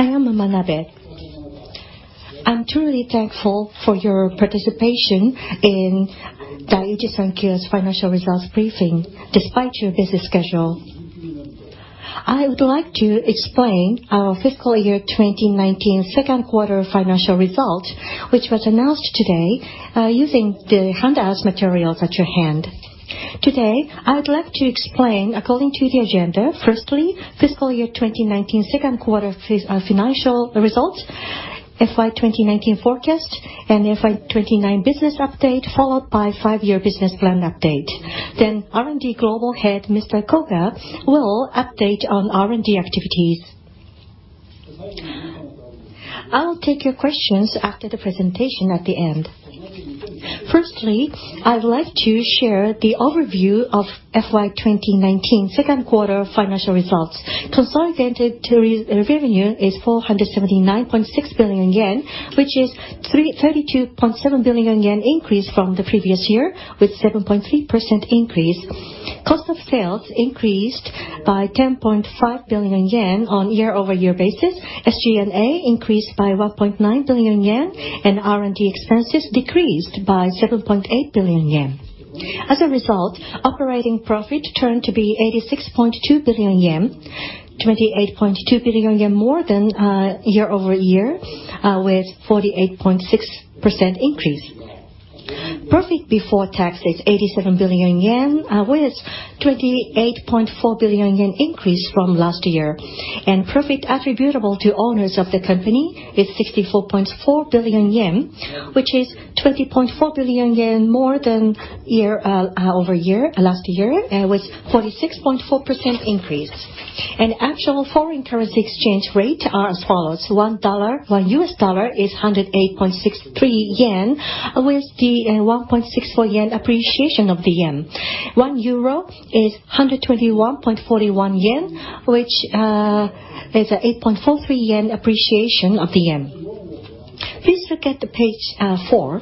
I am Manabe. I'm truly thankful for your participation in Daiichi Sankyo's financial results briefing, despite your busy schedule. I would like to explain our fiscal year 2019 second quarter financial result, which was announced today, using the handout materials in your hand. Today, according to the agenda, I would like to explain, firstly, fiscal year 2019 second quarter financial results, FY 2019 forecast, and FY 2019 business update, followed by a five-year business plan update. R&D Global Head, Mr. Koga, will update on R&D activities. I will take your questions after the presentation at the end. Firstly, I would like to share the overview of FY 2019 second-quarter financial results. Consolidated revenue is 479.6 billion yen, which is a 32.7 billion yen increase from the previous year, with a 7.3% increase. Cost of sales increased by 10.5 billion yen on a year-over-year basis. SG&A increased by 1.9 billion yen, R&D expenses decreased by 7.8 billion yen. As a result, operating profit turned out to be 86.2 billion yen, 28.2 billion yen more than year-over-year, with a 48.6% increase. Profit before tax is 87 billion yen, with a 28.4 billion yen increase from last year. Profit attributable to owners of the company is 64.4 billion yen, which is 20.4 billion yen more than last year, with a 46.4% increase. Actual foreign currency exchange rates are as follows. $1 is 108.63 yen, with the 1.64 yen appreciation of the yen. 1 euro is 121.41 yen, which is an appreciation of JPY 8.43 of the yen. Please look at page four.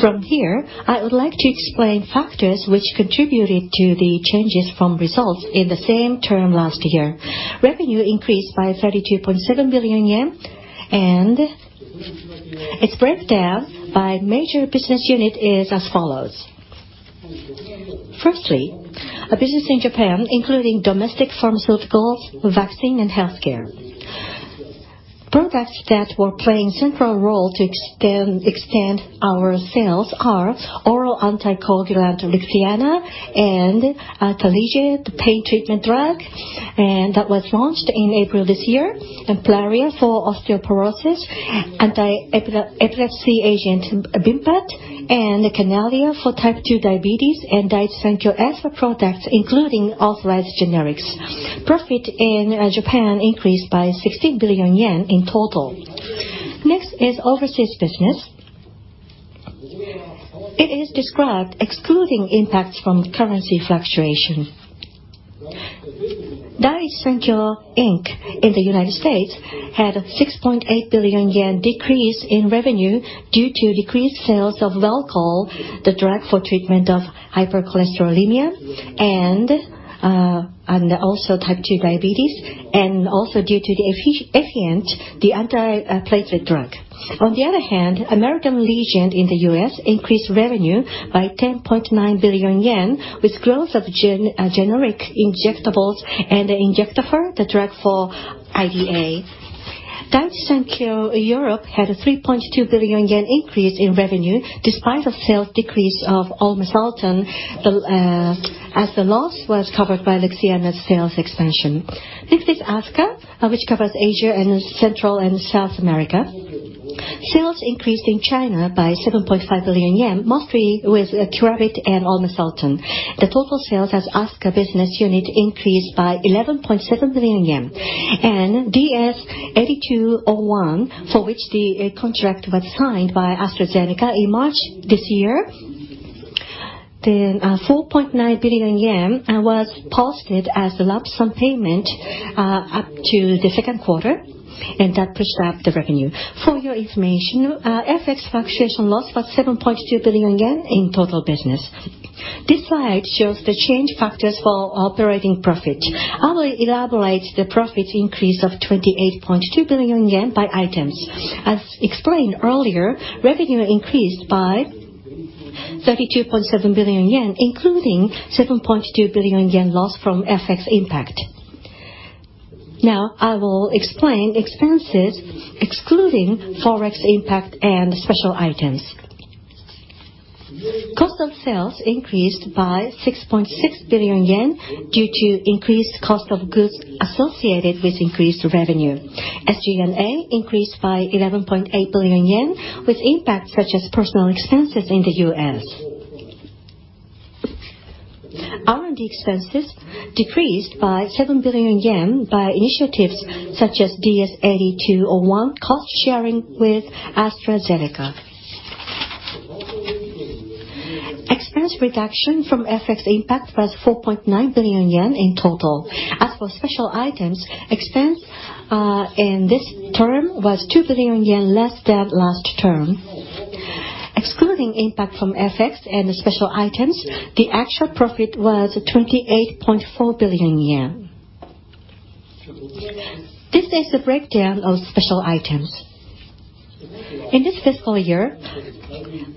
From here, I would like to explain factors that contributed to the changes from the results in the same term last year. Revenue increased by 32.7 billion yen, and its breakdown by major business unit is as follows. A business in Japan, including domestic pharmaceuticals, vaccines, and healthcare. Products that are playing a central role in extending our sales are the oral anticoagulant LIXIANA and Tarlige, the pain treatment drug, which was launched in April this year. PRALIA for osteoporosis, the anti-epilepsy agent VIMPAT, and CANALIA for type 2 diabetes and Daiichi Sankyo asthma products, including authorized generics. Profit in Japan increased by 16 billion yen in total. Next is overseas business. It is described excluding impacts from currency fluctuation. Daiichi Sankyo, Inc. in the U.S. had a 6.8 billion yen decrease in revenue due to decreased sales of Welchol, the drug for the treatment of hypercholesterolemia and type 2 diabetes, and also due to Effient, the anti-platelet drug. On the other hand, American Regent in the U.S. increased revenue by 10.9 billion yen, with growth of generic injectables and Injectafer, the drug for IDA. Daiichi Sankyo Europe had a 3.2 billion yen increase in revenue, despite the sales decrease of Olmesartan, as the loss was covered by LIXIANA's sales expansion. ASCA, which covers Asia and Central and South America. Sales increased in China by 7.5 billion yen, mostly with Cravit and Olmesartan. The total sales of the ASCA business unit increased by 11.7 billion yen. DS-8201, for which the contract was signed by AstraZeneca in March this year, had the 4.9 billion yen posted as the lump sum payment up to the second quarter, and that pushed up the revenue. For your information, FX fluctuation loss was 7.2 billion yen in total business. This slide shows the change factors for operating profit. I will elaborate on the profit increase of 28.2 billion yen by item. As explained earlier, revenue increased by 32.7 billion yen, including a 7.2 billion yen loss from FX impact. Now, I will explain expenses excluding forex impact and special items. Cost of sales increased by 6.6 billion yen due to the increased cost of goods associated with increased revenue. SG&A increased by 11.8 billion yen, with an impact such as personal expenses in the U.S. R&D expenses decreased by 7 billion yen by initiatives such as DS-8201 cost sharing with AstraZeneca. Expense reduction from FX impact was 4.9 billion yen in total. As for special items, expenses in this term were 2 billion yen less than last term. Excluding impact from FX and special items, the actual profit was 28.4 billion yen. This is the breakdown of special items. In this fiscal year, 1.3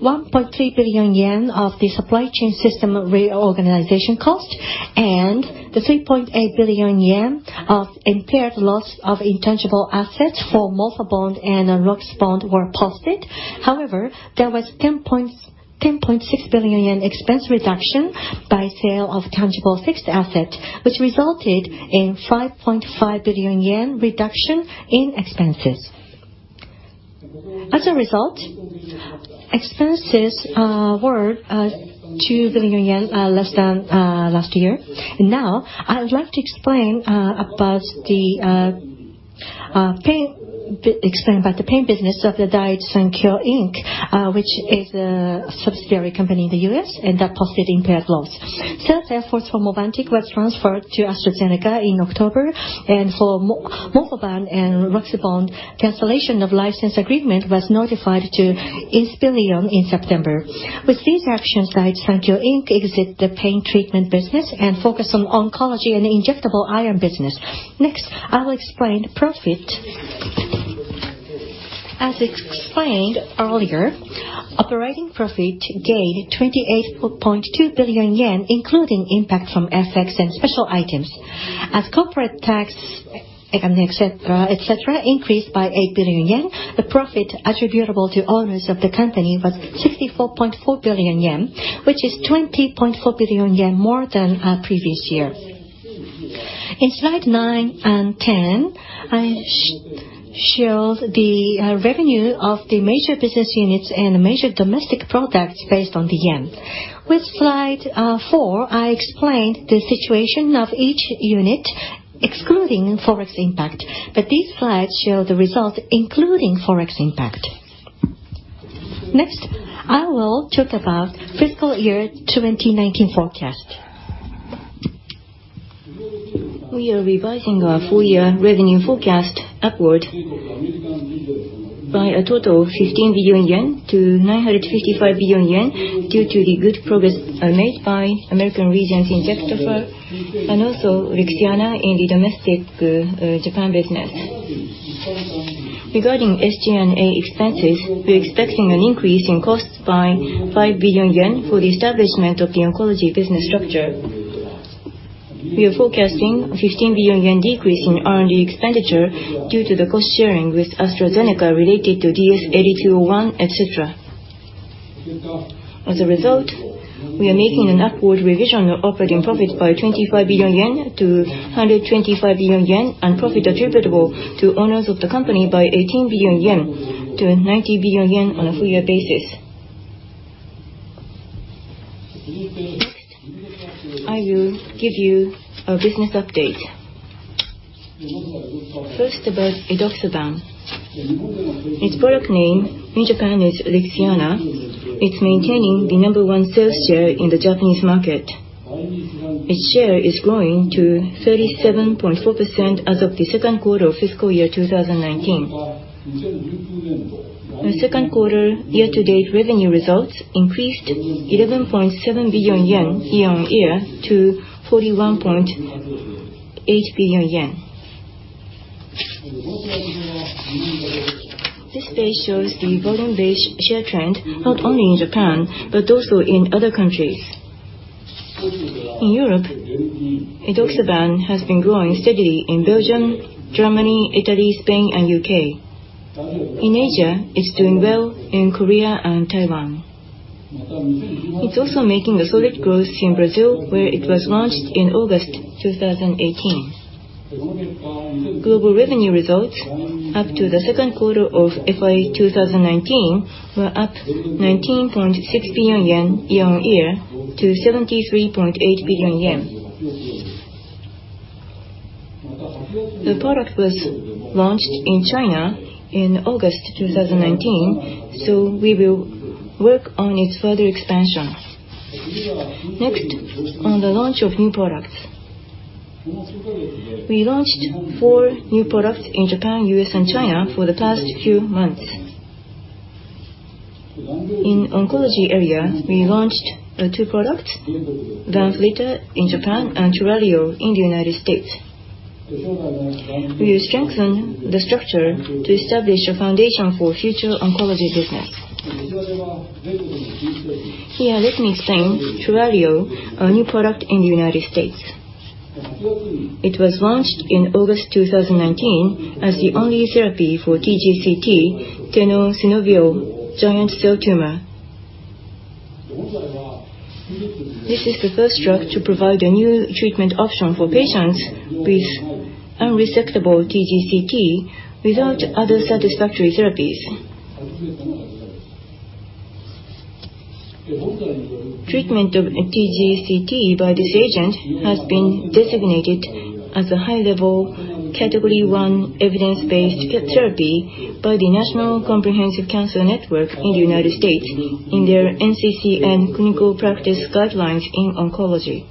billion yen of the supply chain system reorganization cost and 3.8 billion yen of impaired loss of intangible assets for MorphaBond and RoxyBond were posted. However, there was a 10.6 billion yen expense reduction by the sale of tangible fixed assets, which resulted in a 5.5 billion yen reduction in expenses. As a result, expenses were 2 billion yen less than last year. Now, I would like to explain about the pain business of Daiichi Sankyo, Inc., which is a subsidiary company in the U.S., and that posted an impaired loss. Sales efforts for Movantik were transferred to AstraZeneca in October, and for MorphaBond and RoxyBond, cancellation of the license agreement was notified to Inspirion in September. With these actions, Daiichi Sankyo, Inc. exits the pain treatment business and focuses on the oncology and injectable iron businesses. Next, I will explain profit. As explained earlier, operating profit gained 28.2 billion yen, including impact from FX and special items. As corporate tax, et cetera, increased by 8 billion yen, the profit attributable to owners of the company was 64.4 billion yen, which is 20.4 billion yen more than the previous year. In slides nine and 10, I show the revenue of the major business units and major domestic products based on the yen. With Slide four, I explained the situation of each unit, excluding Forex impact, but these slides show the result, including Forex impact. Next, I will talk about the fiscal year 2019 forecast. We are revising our full-year revenue forecast upward by a total of 15 billion-955 billion yen due to the good progress made by American Regent in Injectafer and also LIXIANA in the domestic Japan business. Regarding SG&A expenses, we're expecting an increase in costs by 5 billion yen for the establishment of the oncology business structure. We are forecasting a 15 billion yen decrease in R&D expenditure due to the cost sharing with AstraZeneca related to DS-8201, et cetera. As a result, we are making an upward revision of operating profit by 25 billion-125 billion yen and profit attributable to owners of the company by 18 billion-90 billion yen on a full-year basis. Next, I will give you a business update. First, about edoxaban. Its product name in Japan is LIXIANA. It's maintaining the number one sales share in the Japanese market. Its share is growing to 37.4% as of the second quarter of fiscal year 2019. The second-quarter year-to-date revenue results increased 11.7 billion yen year-on-year to 41.8 billion yen. This page shows the volume-based share trend not only in Japan but also in other countries. In Europe, edoxaban has been growing steadily in Belgium, Germany, Italy, Spain, and the U.K. In Asia, it's doing well in Korea and Taiwan. It's also making solid growth in Brazil, where it was launched in August 2018. Global revenue results up to the second quarter of FY 2019 were up 19.6 billion yen year-on-year to 73.8 billion yen. The product was launched in China in August 2019, we will work on its further expansion. Next, on the launch of new products. We launched four new products in Japan, the U.S., and China over the past few months. In the oncology area, we launched two products, VANFLYTA in Japan and TURALIO in the United States. We will strengthen the structure to establish a foundation for future oncology business. Here, let me explain TURALIO, our new product in the United States. It was launched in August 2019 as the only therapy for TGCT, Tenosynovial Giant Cell Tumor. This is the first drug to provide a new treatment option for patients with unresectable TGCT without other satisfactory therapies. Treatment of TGCT by this agent has been designated as a high-level category one evidence-based therapy by the National Comprehensive Cancer Network in the United States in their NCCN Clinical Practice Guidelines in Oncology.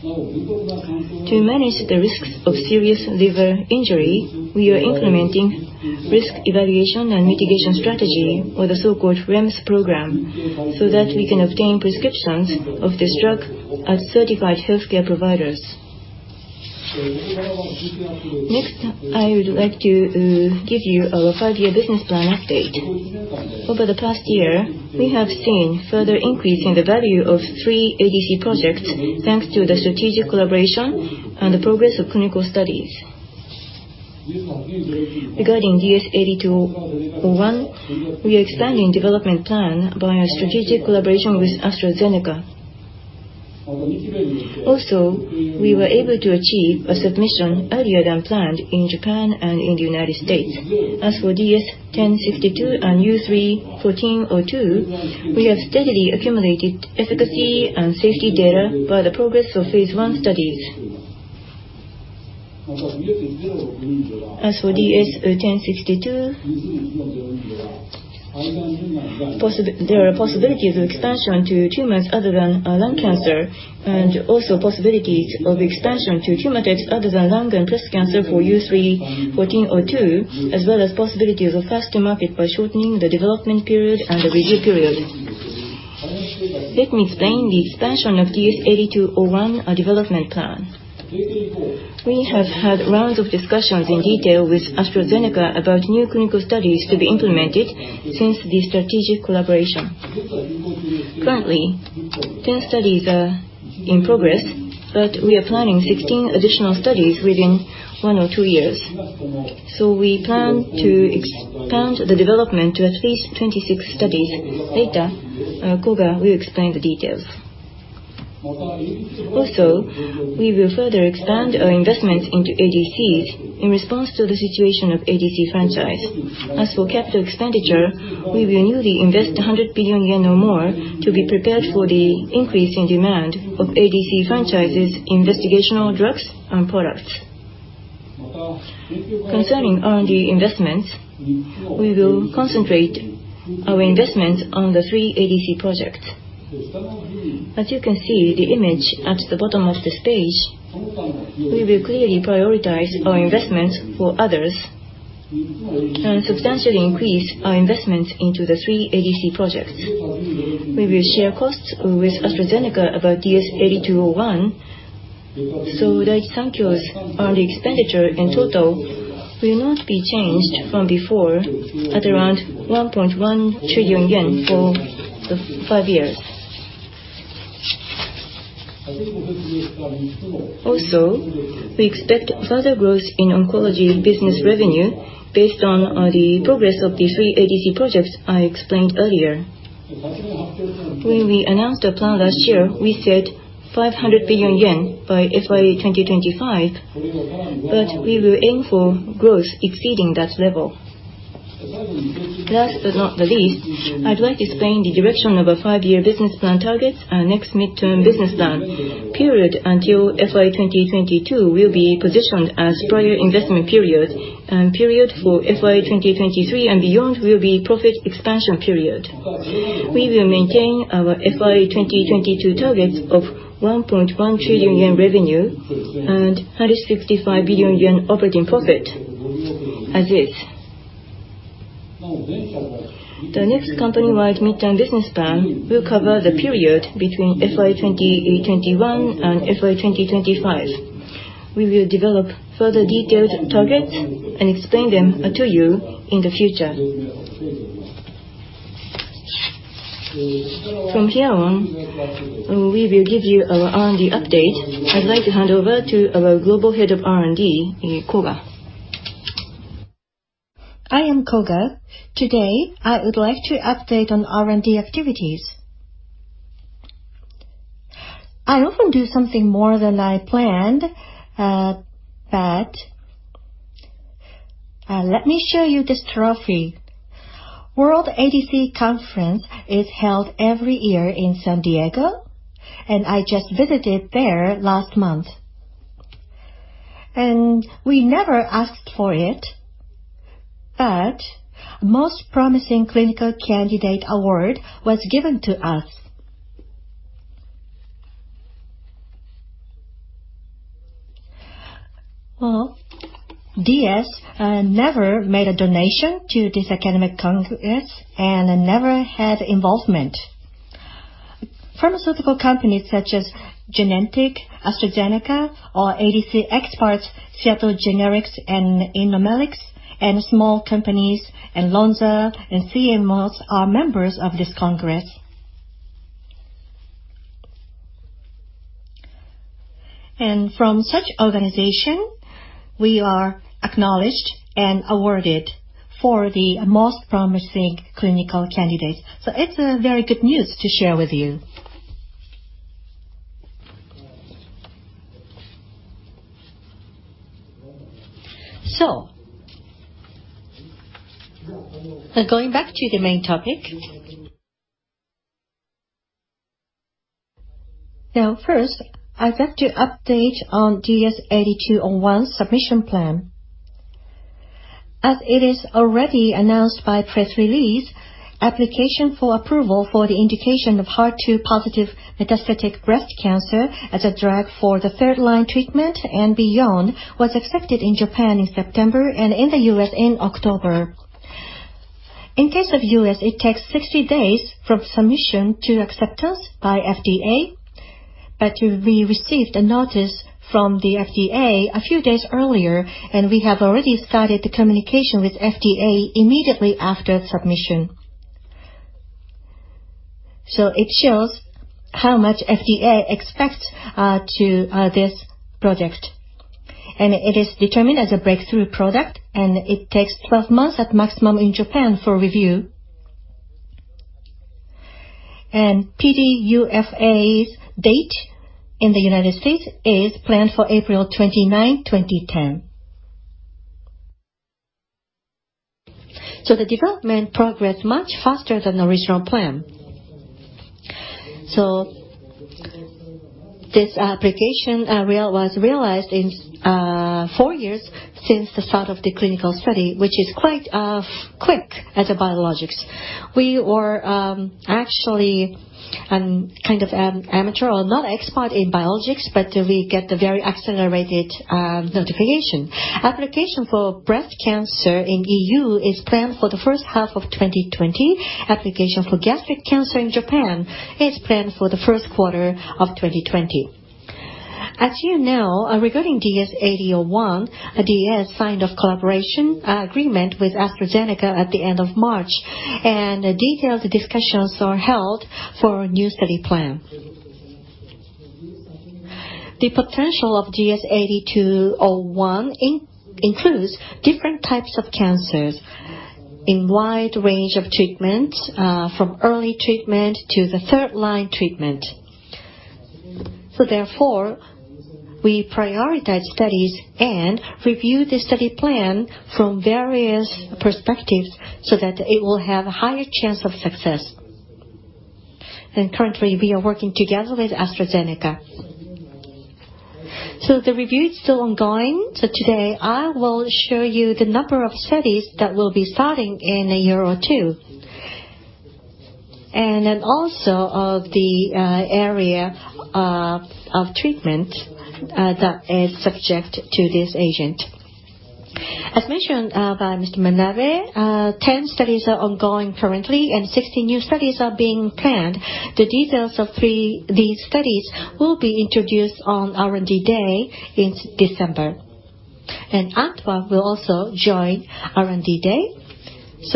To manage the risks of serious liver injury, we are implementing a risk evaluation and mitigation strategy, or the so-called REMS program, so that we can obtain prescriptions of this drug at certified healthcare providers. Next, I would like to give you our five-year business plan update. Over the past year, we have seen a further increase in the value of three ADC projects, thanks to the strategic collaboration and the progress of clinical studies. Regarding DS-8201, we are expanding the development plan by a strategic collaboration with AstraZeneca. Also, we were able to achieve a submission earlier than planned in Japan and in the United States. As for DS-1062 and U3-1402, we have steadily accumulated efficacy and safety data through the progress of phase I studies. As for DS-1062, there are possibilities of expansion to tumors other than lung cancer, and also possibilities of expansion to tumor types other than lung and breast cancer for U3-1402, as well as possibilities of faster markets by shortening the development period and the review period. Let me explain the expansion of the DS-8201 development plan. We have had rounds of discussions in detail with AstraZeneca about new clinical studies to be implemented since the strategic collaboration. Currently, 10 studies are in progress, we are planning 16 additional studies within one or two years. We plan to expand the development to at least 26 studies. Later, Koga will explain the details. We will further expand our investments into ADCs in response to the situation of the ADC franchise. As for capital expenditure, we will newly invest 100 billion yen or more to be prepared for the increase in demand for the ADC franchise's investigational drugs and products. Concerning R&D investments, we will concentrate our investment on the three ADC projects. As you can see the image at the bottom of this page, we will clearly prioritize our investments for others and substantially increase our investments into the three ADC projects. We will share costs with AstraZeneca about DS-8201, Daiichi Sankyo's R&D expenditure in total will not be changed from before, at around 1.1 trillion yen for the five years. We expect further growth in oncology business revenue based on the progress of the three ADC projects I explained earlier. When we announced our plan last year, we said 500 billion yen by FY 2025, we will aim for growth exceeding that level. Last but not least, I'd like to explain the direction of our five-year business plan targets and the next mid-term business plan. Period until FY 2022 will be positioned as the prior investment period, and the period for FY 2023 and beyond will be the profit expansion period. We will maintain our FY 2022 targets of 1.1 trillion yen revenue and 165 billion yen operating profit as is. The next company-wide midterm business plan will cover the period between FY 2021 and FY 2025. We will develop further detailed targets and explain them to you in the future. From here on, we will give you our R&D update. I'd like to hand over to our Global Head of R&D, Koga. I am Koga. Today, I would like to update you on R&D activities. I often do something more than I planned, but let me show you this trophy. The World ADC Conference is held every year in San Diego, and I just visited there last month. We never asked for it, but The Most Promising Clinical Candidate award was given to us. Well, DS never made a donation to this academic congress and never had involvement. Pharmaceutical companies such as Genentech, AstraZeneca, ADC experts, Seattle Genetics, Immunomedics, small companies, and Lonza and CMOs are members of this congress. From such an organization, we are acknowledged and awarded for The Most Promising Clinical Candidate. It's very good news to share with you. Going back to the main topic. First, I'd like to update you on the DS-8201 submission plan. It is already announced by press release: the application for approval for the indication of HER2-positive metastatic breast cancer as a drug for third-line treatment and beyond was accepted in Japan in September and in the U.S. in October. In the case of the U.S., it takes 60 days from submission to acceptance by the FDA. We received a notice from the FDA a few days earlier, and we had already started the communication with the FDA immediately after submission. It shows how much the FDA expects from this project. It is determined to be a breakthrough product. It takes 12 months at maximum in Japan for review. PDUFA date in the United States is planned for April 29, 2010. The development progressed much faster than the original plan. This application was realized in four years since the start of the clinical study, which is quite quick for a biologic. We were actually kind of amateurs or not experts in biologics, but we got the very accelerated notification. Application for breast cancer in the EU is planned for the first half of 2020. Application for gastric cancer in Japan is planned for the first quarter of 2020. As you know, regarding DS-8201, DS signed a collaboration agreement with AstraZeneca at the end of March, and detailed discussions are held for a new study plan. The potential of DS-8201 includes different types of cancers in a wide range of treatments, from early treatment to third-line treatment. Therefore, we prioritize studies and review the study plan from various perspectives so that it will have a higher chance of success. Currently, we are working together with AstraZeneca. The review is still ongoing. Today I will show you the number of studies that will be starting in a year or two. And also the area of treatment that is subject to this agent. As mentioned by Mr. Manabe, 10 studies are ongoing currently, and 16 new studies are being planned. The details of these studies will be introduced on R&D Day in December. Athva will also join R&D Day.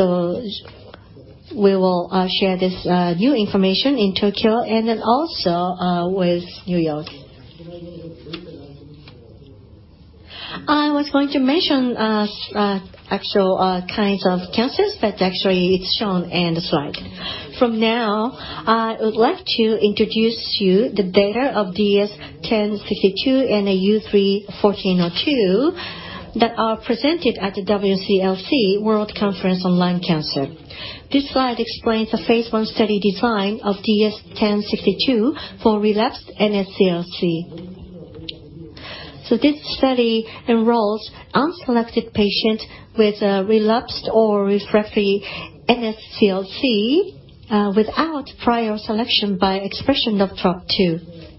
We will share this new information in Tokyo and with New York. I was going to mention actual kinds of cancers; actually, it's shown in the slide. From now on, I would like to introduce you to the data of DS-1062 and U3-1402 that are presented at the WCLC, the World Conference on Lung Cancer. This slide explains the phase I study design of DS-1062 for relapsed NSCLC. This study enrolls unselected patients with relapsed or refractory NSCLC without prior selection by expression of TROP-2.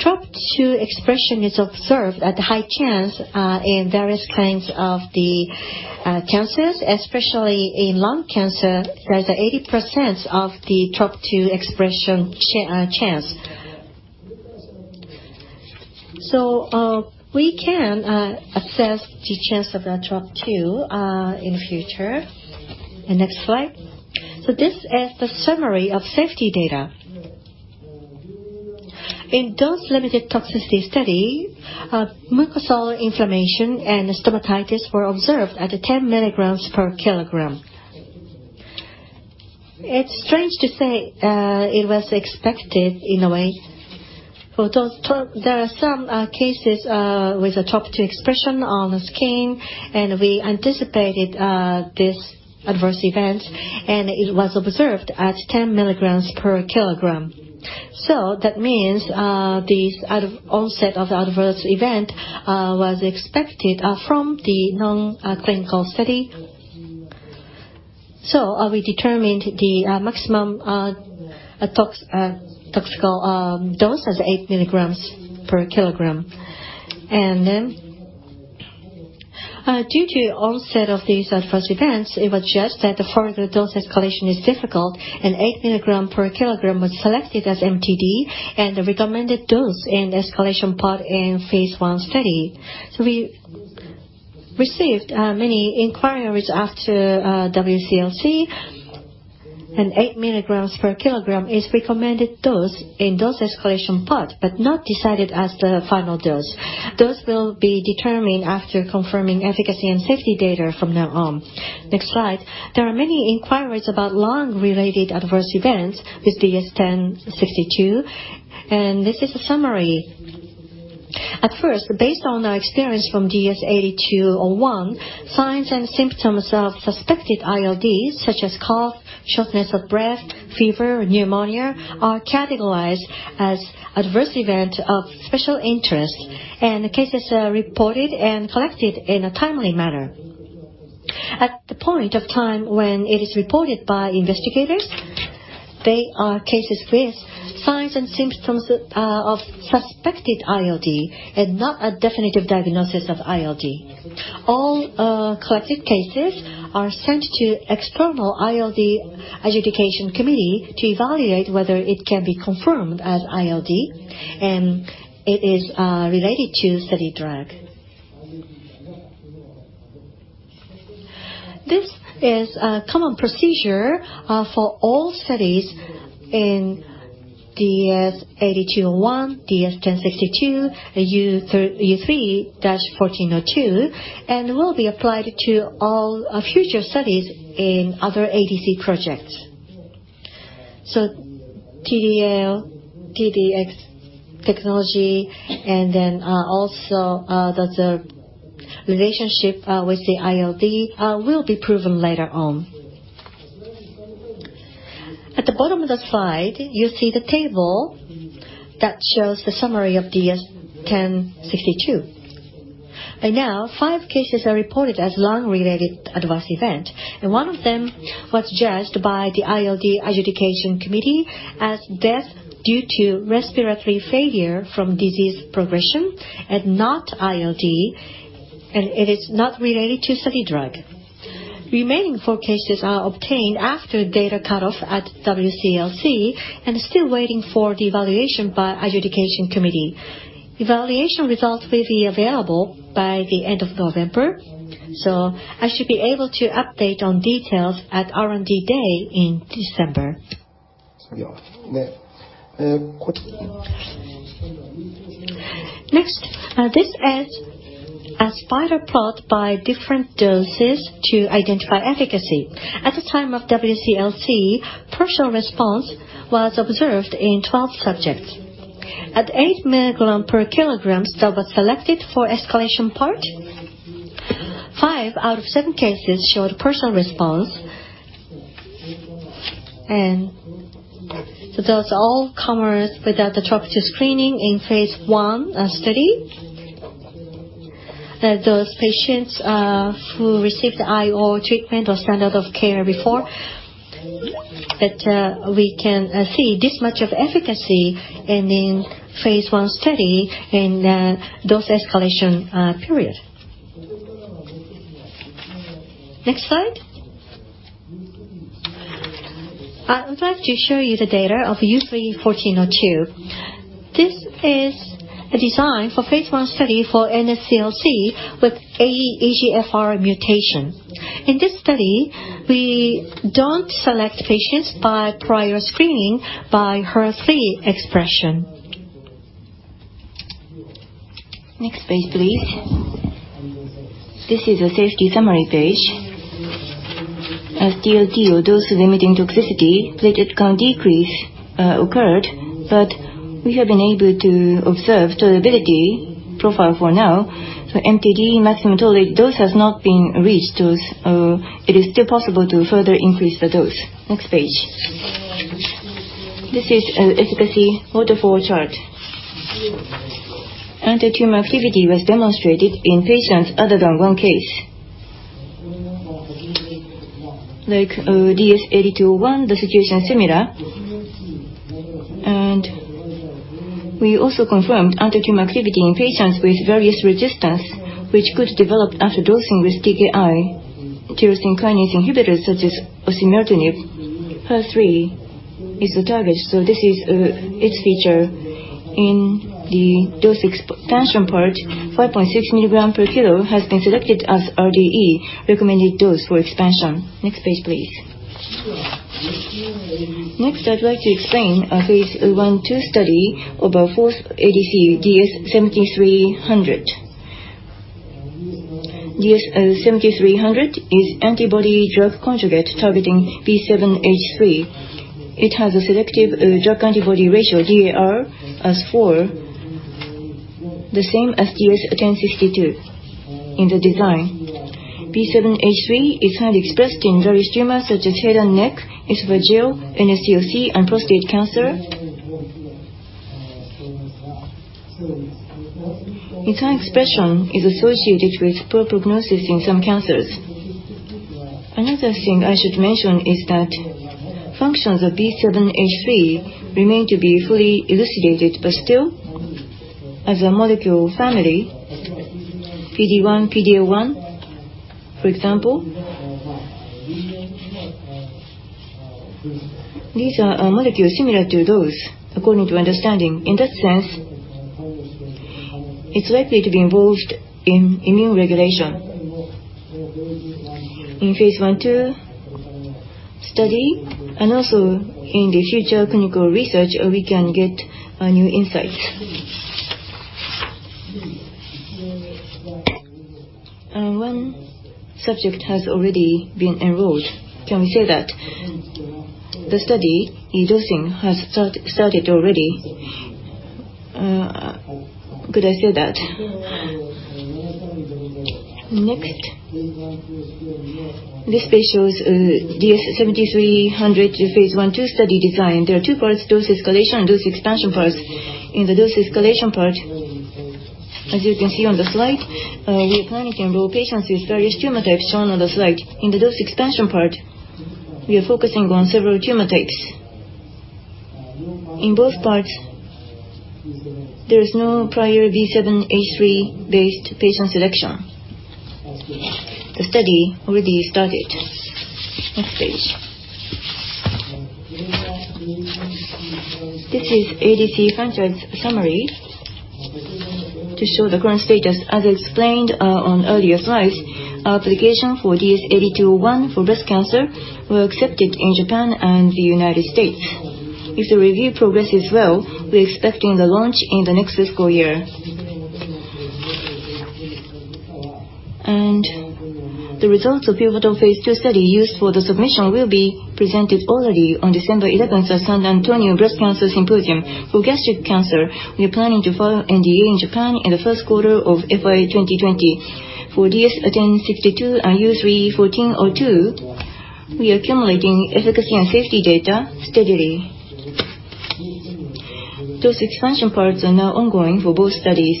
TROP-2 expression is observed at high chance in various kinds of cancers, especially in lung cancer, where there's an 80% chance of TROP-2 expression. Next slide. This is the summary of safety data. In a dose-limited toxicity study, mucosal inflammation and stomatitis were observed at 10 milligrams per kilogram. It's strange to say it was expected in a way. There are some cases with a TROP-2 expression on the skin, and we anticipated this adverse event, and it was observed at 10mg per kilogram. That means the onset of the adverse event was expected from the non-clinical study. We determined the Maximum Tolerated Dose as 8mg per kilogram. Due to the onset of these adverse events, it was judged that further dose escalation is difficult, and 8mg per kilogram was selected as MTD and the recommended dose in the escalation part in the phase I study. We received many inquiries after WCLC and 8mg per kilogram is the recommended dose in the dose escalation part but not decided as the final dose. Dose will be determined after confirming efficacy and safety data from now on. Next slide. There are many inquiries about lung-related adverse events with DS-1062, and this is a summary. At first, based on our experience from DS-8201, signs and symptoms of suspected ILDs, such as cough, shortness of breath, fever, or pneumonia, are categorized as adverse events of special interest, and cases are reported and collected in a timely manner. At the point in time when it is reported by investigators, they are cases with signs and symptoms of suspected ILD and not a definitive diagnosis of ILD. All collected cases are sent to an external ILD adjudication committee to evaluate whether they can be confirmed as ILD and are related to the study drug. This is a common procedure for all studies in DS-8201, DS-1062, and U3-1402 and will be applied to all future studies in other ADC projects. TDL, TDX technology, and then also the relationship with the ILD will be proven later on. At the bottom of the slide, you see the table that shows the summary of DS-1062. By now, five cases are reported as lung-related adverse events, and one of them was judged by the ILD adjudication committee as death due to respiratory failure from disease progression and not ILD, and it is not related to the study drug. Remaining four cases are obtained after the data cut-off at WCLC and are still waiting for the evaluation by the adjudication committee. Evaluation results will be available by the end of November, so I should be able to update on details at R&D Day in December. Next, this adds a spider plot by different doses to identify efficacy. At the time of WCLC, partial response was observed in 12 subjects. At 8mg per kilogram that was selected for the escalation part, five out of seven cases showed partial response. Those are all-comers without the therapeutic screening in the phase I study. Those patients who received IO treatment or Standard of Care before—we can see this much efficacy in a phase I study in a dose-escalation period. Next slide. I would like to show you the data of U3-1402. This is a design for a phase I study for NSCLC with an EGFR mutation. In this study, we don't select patients by prior screening by HER3 expression. Next page, please. This is a safety summary page. As DLT, Dose-Limiting Toxicity, and platelet count decrease occurred, we have been able to observe the tolerability profile for now. The MTD, Maximum Tolerated Dose, has not been reached. It is still possible to further increase the dose. Next page. This is an efficacy waterfall chart. Antitumor activity was demonstrated in patients other than one case. Like DS-8201, the situation is similar, and we also confirmed antitumor activity in patients with various resistance, which could develop after dosing with TKI, tyrosine kinase inhibitors such as osimertinib. HER3 is the target, so this is its feature. In the dose expansion part, 5.6mg per kilo has been selected as RDE, the Recommended Dose for Expansion. Next page, please. Next, I'd like to explain a phase I/II study of our fourth ADC, DS-7300. DS-7300 is an antibody-drug conjugate targeting B7-H3. It has a selective drug antibody ratio, DAR, as four, the same as DS-1062 in the design. B7-H3 is highly expressed in various tumors, such as head and neck, esophageal, NSCLC, and prostate cancer. Its high expression is associated with poor prognosis in some cancers. Another thing I should mention is that functions of B7-H3 remain to be fully elucidated, but still, as a molecule family, PD-1, PD-L1, for example, are molecules similar to those according to understanding. In that sense, it's likely to be involved in immune regulation. In the phase I/II study and also in future clinical research, we can get new insights. One subject has already been enrolled. Can we say that? The study dosing has started already. Could I say that? Next. This page shows DS-7300 phase I/II study design. There are two parts, dose escalation and dose expansion. In the dose escalation part. As you can see on the slide, we are planning to enroll patients with various tumor types shown on the slide. In the dose expansion part, we are focusing on several tumor types. In both parts, there is no prior B7-H3-based patient selection. The study already started. Next page. This is the ADC franchise summary to show the current status. As explained on earlier slides, our application for DS-8201 for breast cancer was accepted in Japan and the U.S. If the review progresses well, we're expecting the launch in the next fiscal year. The results of the pivotal phase II study used for the submission will be presented already on December 11th at the San Antonio Breast Cancer Symposium. For gastric cancer, we are planning to file an NDA in Japan in the first quarter of FY 2020. For DS-1062 and U3-1402, we are accumulating efficacy and safety data steadily. Dose expansion parts are now ongoing for both studies.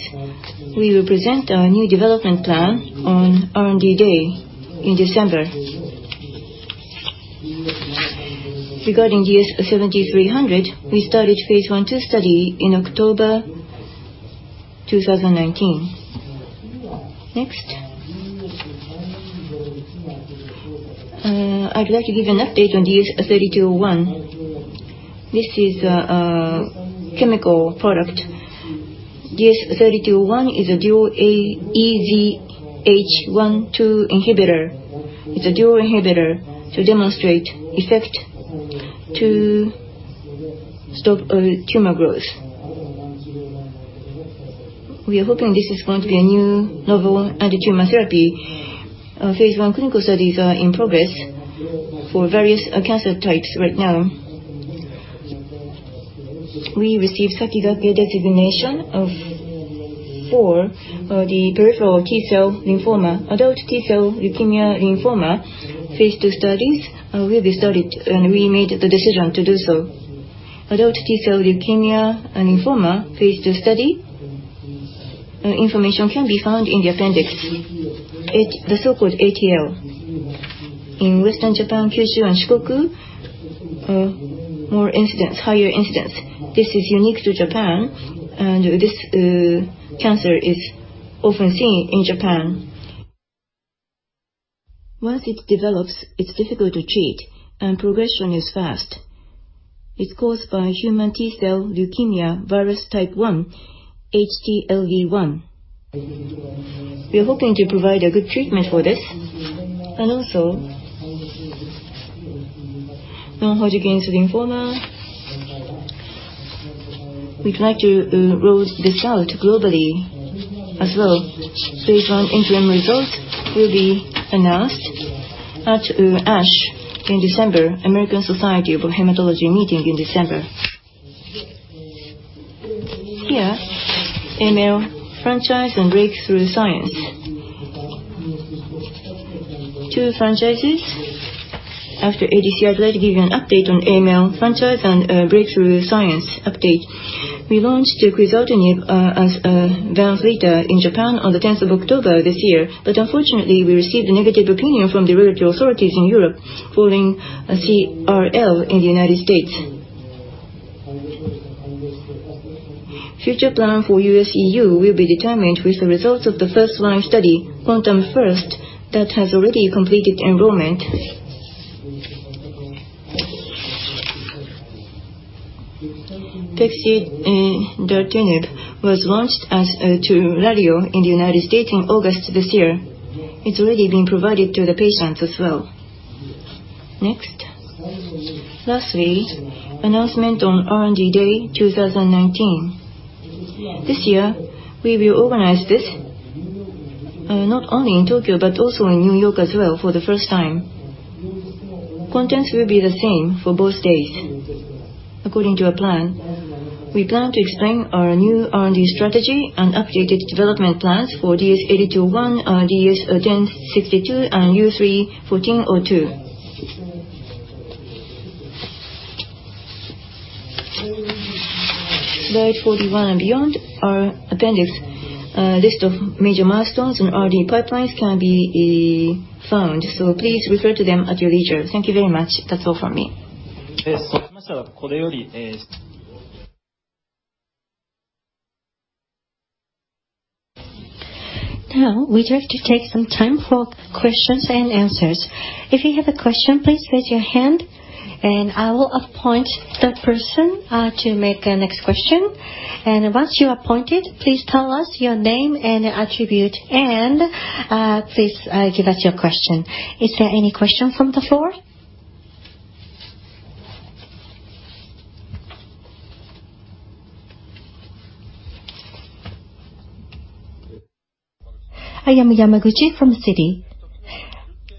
We will present our new development plan on R&D Day in December. Regarding DS-7300, we started a phase I/II study in October 2019. I'd like to give an update on DS-3201. This is a chemical product. DS-3201 is a dual EZH1/2 inhibitor. It's a dual inhibitor designed to demonstrate an effect to stop tumor growth. We are hoping this is going to be a new novel anti-tumor therapy. Our phase I clinical studies are in progress for various cancer types right now. We received Sakigake Designation for peripheral T-cell lymphoma. Adult T-cell leukemia lymphoma phase II studies will be started, we made the decision to do so. Adult T-cell leukemia/lymphoma phase II study information can be found in the appendix. The so-called ATL. In western Japan, Kyushu and Shikoku, there are more incidents and higher rates of incidents. This is unique to Japan, and this cancer is often seen in Japan. Once it develops, it's difficult to treat, and progression is fast. It's caused by human T-cell leukemia virus type 1, HTLV-1. We are hoping to provide a good treatment for this and also non-Hodgkin's lymphoma. We'd like to roll this out globally as well. Phase I interim results will be announced at ASH in December, the American Society of Hematology meeting in December. Here, AML franchise and breakthrough science. Two franchises. After ADC, I'd like to give you an update on the AML franchise and breakthrough science update. Unfortunately, we launched quizartinib as VANFLYTA in Japan on the 10th of October this year, but we received a negative opinion from the regulatory authorities in Europe following a CRL in the U.S. Future plans for U.S., E.U. will be determined with the results of the first-line study, QuANTUM-First, which has already completed enrollment. pexidartinib was launched as TURALIO in the U.S. in August this year. It's already being provided to the patients as well. Next. Lastly, an announcement on R&D Day 2019. This year, we will organize this not only in Tokyo but also in New York as well for the first time. Contents will be the same for both days. According to our plan, we plan to explain our new R&D strategy and updated development plans for DS-8201, DS-1062, and U3-1402. Guide for the One and Beyond, our appendix list of major milestones and R&D pipelines can be found. Please refer to them at your leisure. Thank you very much. That's all from me. Now, we'd like to take some time for questions and answers. If you have a question, please raise your hand, and I will appoint that person to make the next question. Once you're appointed, please tell us your name and attribute, and please give us your question. Is there any question from the floor? Hidemaru Yamaguchi from Citi.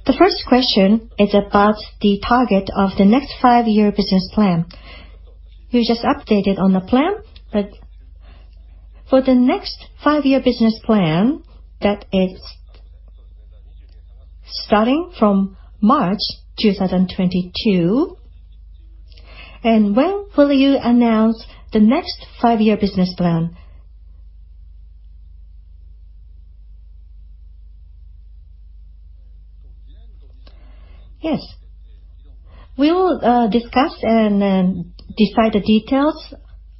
The first question is about the target of the next five-year business plan. You just updated on the plan for the next five-year business plan starting from March 2022. When will you announce the next five-year business plan? Yes. We will discuss and decide the details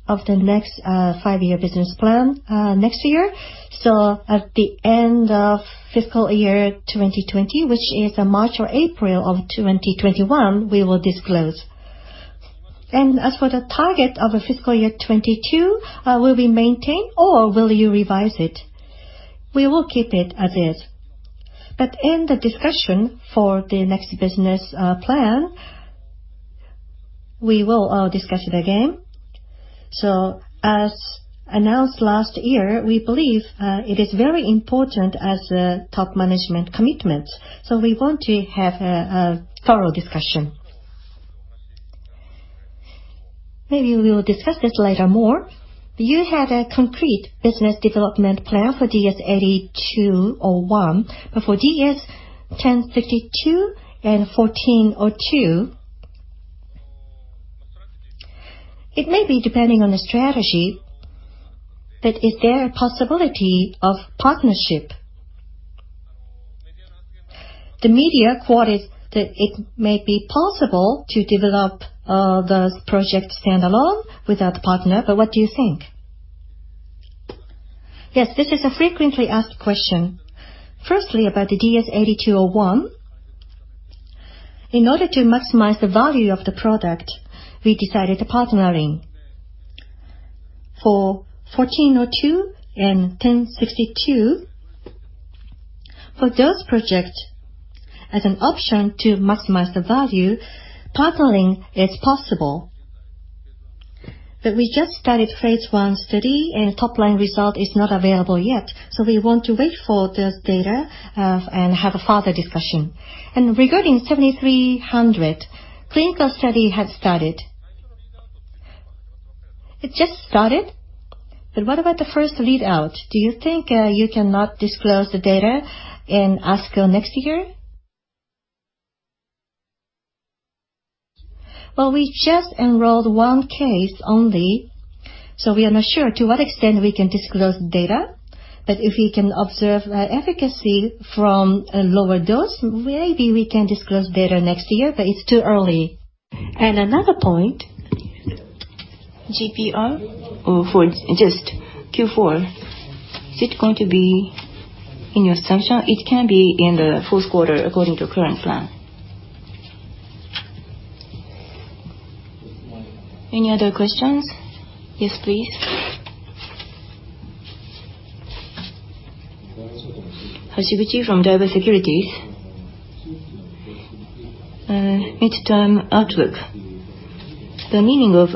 of the next five-year business plan next year. At the end of fiscal year 2020, which is March or April of 2021, we will disclose. As for the target of fiscal year 2022, will we maintain, or will you revise it? We will keep it as is. In the discussion for the next business plan, we will discuss it again. As announced last year, we believe it is very important as a top management commitment, so we want to have a thorough discussion. Maybe we will discuss this later more. You had a concrete business development plan for DS-8201, but for DS-1062 and U3-1402, it may depend on the strategy, but is there a possibility of partnership? The media quoted that it may be possible to develop the project standalone without a partner, but what do you think? Yes, this is a frequently asked question. Firstly, about the DS-8201. In order to maximize the value of the product, we decided on partnering. For U3-1402 and DS-1062, for those projects, as an option to maximize the value, partnering is possible. We just started the phase I study, top-line results are not available yet. We want to wait for those data and have a further discussion. Regarding DS-7300, a clinical study has started. It just started? What about the first readout? Do you think you cannot disclose the data at ASCO next year? Well, we just enrolled one case only, we are not sure to what extent we can disclose data. If we can observe efficacy from a lower dose, maybe we can disclose data next year, it's too early. Another point, GPR for just Q4, is it going to be in your assumption? It can be in the fourth quarter according to the current plan. Any other questions? Yes, please. Hashiguchi from Daiwa Securities. Midterm outlook, the meaning of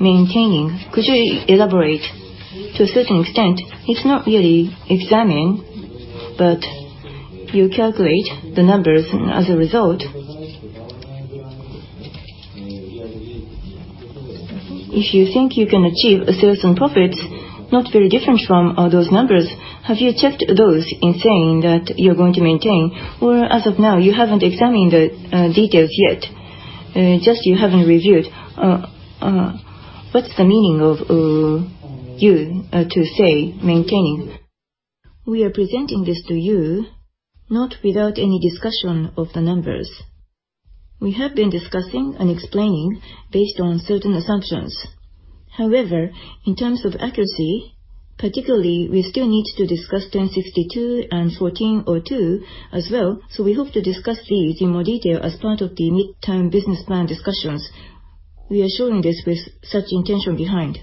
maintaining—could you elaborate? To a certain extent, it's not really examined, but you calculate the numbers as a result. If you think you can achieve sales and profits not very different from those numbers, have you checked those in saying that you're going to maintain them, or as of now, you haven't examined the details yet, or you just haven't reviewed them? What's the meaning of your saying maintaining? We are presenting this to you with a full discussion of the numbers. We have been discussing and explaining based on certain assumptions. However, in terms of accuracy, particularly, we still need to discuss DS-1062 and U3-1402 as well. We hope to discuss these in more detail as part of the midterm business plan discussions. We are showing this with such intention behind.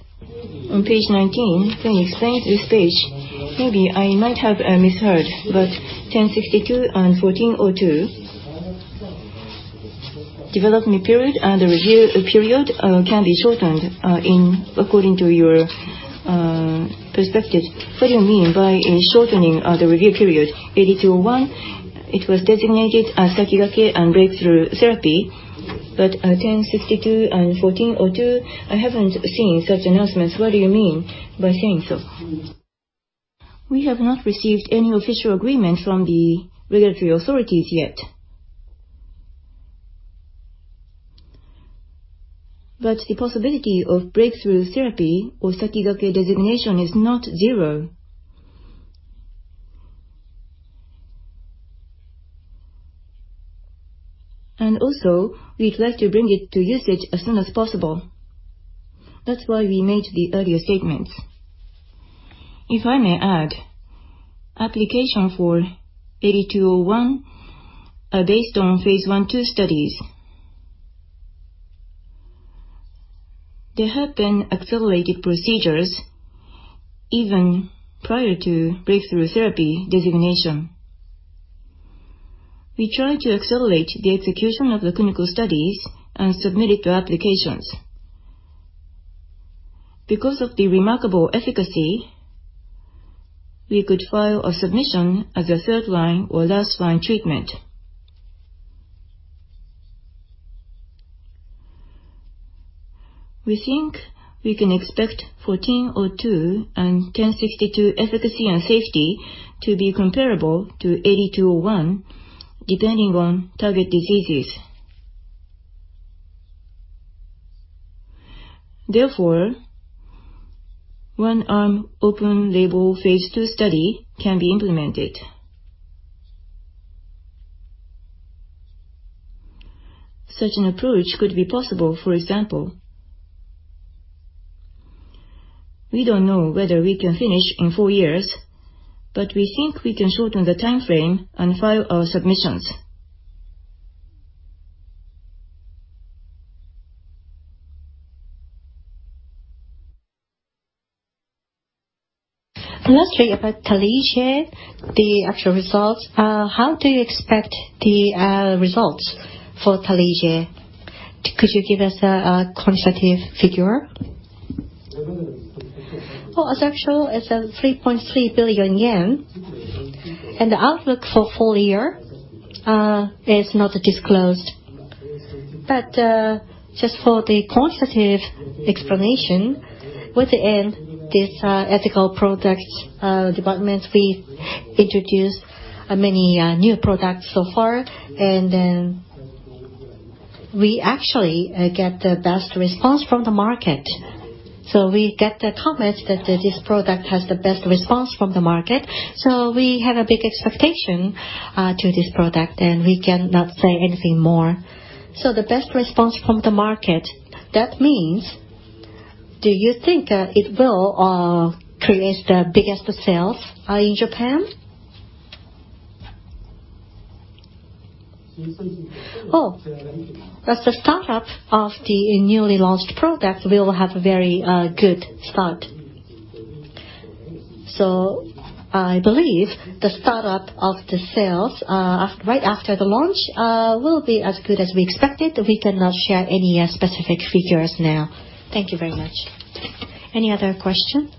On page 19, when you explained this page, maybe I might have misheard. DS-1062 and U3-1402, the development period and the review period can be shortened according to your perspective. What do you mean by shortening the review period? DS-8201 was designated as Sakigake and breakthrough therapy. DS-1062 and U3-1402: I haven't seen such announcements. What do you mean by saying so? We have not received any official agreement from the regulatory authorities yet. The possibility of breakthrough therapy or Sakigake designation is not zero. Also, we'd like to bring it to usage as soon as possible. That's why we made the earlier statements. If I may add, applications for DS-8201 are based on phase I/II studies. There have been accelerated procedures even prior to breakthrough therapy designation. We try to accelerate the execution of the clinical studies and submit them to applications. Because of the remarkable efficacy, we could file a submission as a third-line or last-line treatment. We think we can expect U3-1402 and DS-1062 efficacy and safety to be comparable to DS-8201, depending on target diseases. Therefore, a one-arm open-label phase II study can be implemented. Such an approach could be possible, for example. We don't know whether we can finish in four years. We think we can shorten the time frame and file our submissions. Let's talk about Tarlige and the actual results. How do you expect the results for Tarlige? Could you give us a quantitative figure? Well, as I'm sure, it's a 3.3 billion yen. The outlook for the full year is not disclosed. Just for the quantitative explanation of this ethical product development, we introduced many new products so far, and then we actually get the best response from the market. We get the comment that this product has the best response from the market, so we have a big expectation for this product, and we cannot say anything more. The best response from the market, that is, do you think that it will create the biggest sales in Japan? As the startup of the newly launched product, we will have a very good start. I believe the startup of the sales right after the launch will be as good as we expected. We cannot share any specific figures now. Thank you very much. Any other question?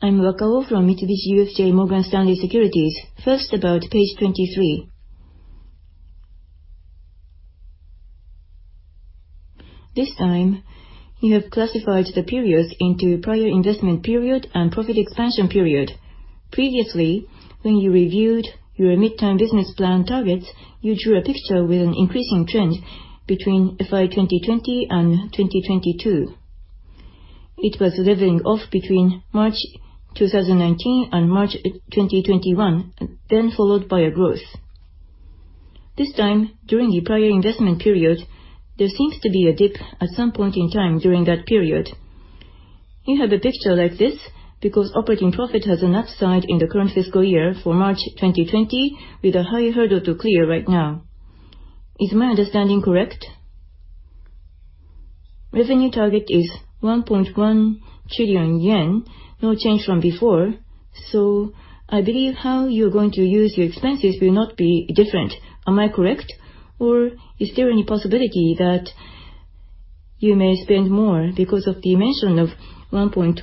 I'm Wakao from Mitsubishi UFJ Morgan Stanley Securities. First, about page 23. This time, you have classified the periods into prior investment period and profit expansion period. Previously, when you reviewed your midterm business plan targets, you drew a picture with an increasing trend between FY 2020 and 2022. It was leveling off between March 2019 and March 2021, followed by growth. This time, during the prior investment period, there seems to be a dip at some point in time during that period. You have a picture like this because operating profit has an upside in the current fiscal year for March 2020 with a higher hurdle to clear right now. Is my understanding correct? Revenue target is 1.1 trillion yen, no change from before. I believe how you're going to use your expenses will not be different. Am I correct, or is there any possibility that you may spend more because of the mention of 1.1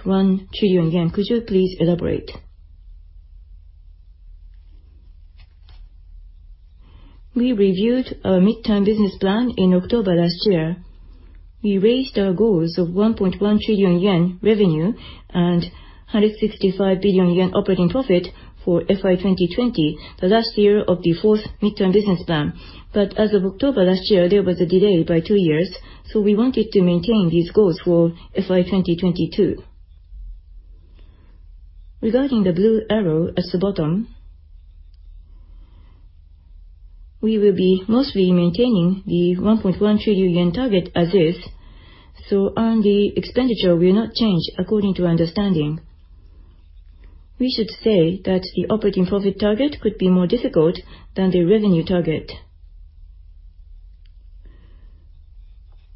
trillion yen? Could you please elaborate? We reviewed our midterm business plan in October last year. We raised our goals of 1.1 trillion yen revenue and 165 billion yen operating profit for FY 2020, the last year of the fourth midterm business plan. As of October last year, there was a delay by two years, so we wanted to maintain these goals for FY 2022. Regarding the blue arrow at the bottom, we will be mostly maintaining the 1.1 trillion target as is, so R&D expenditure will not change according to our understanding. We should say that the operating profit target could be more difficult than the revenue target.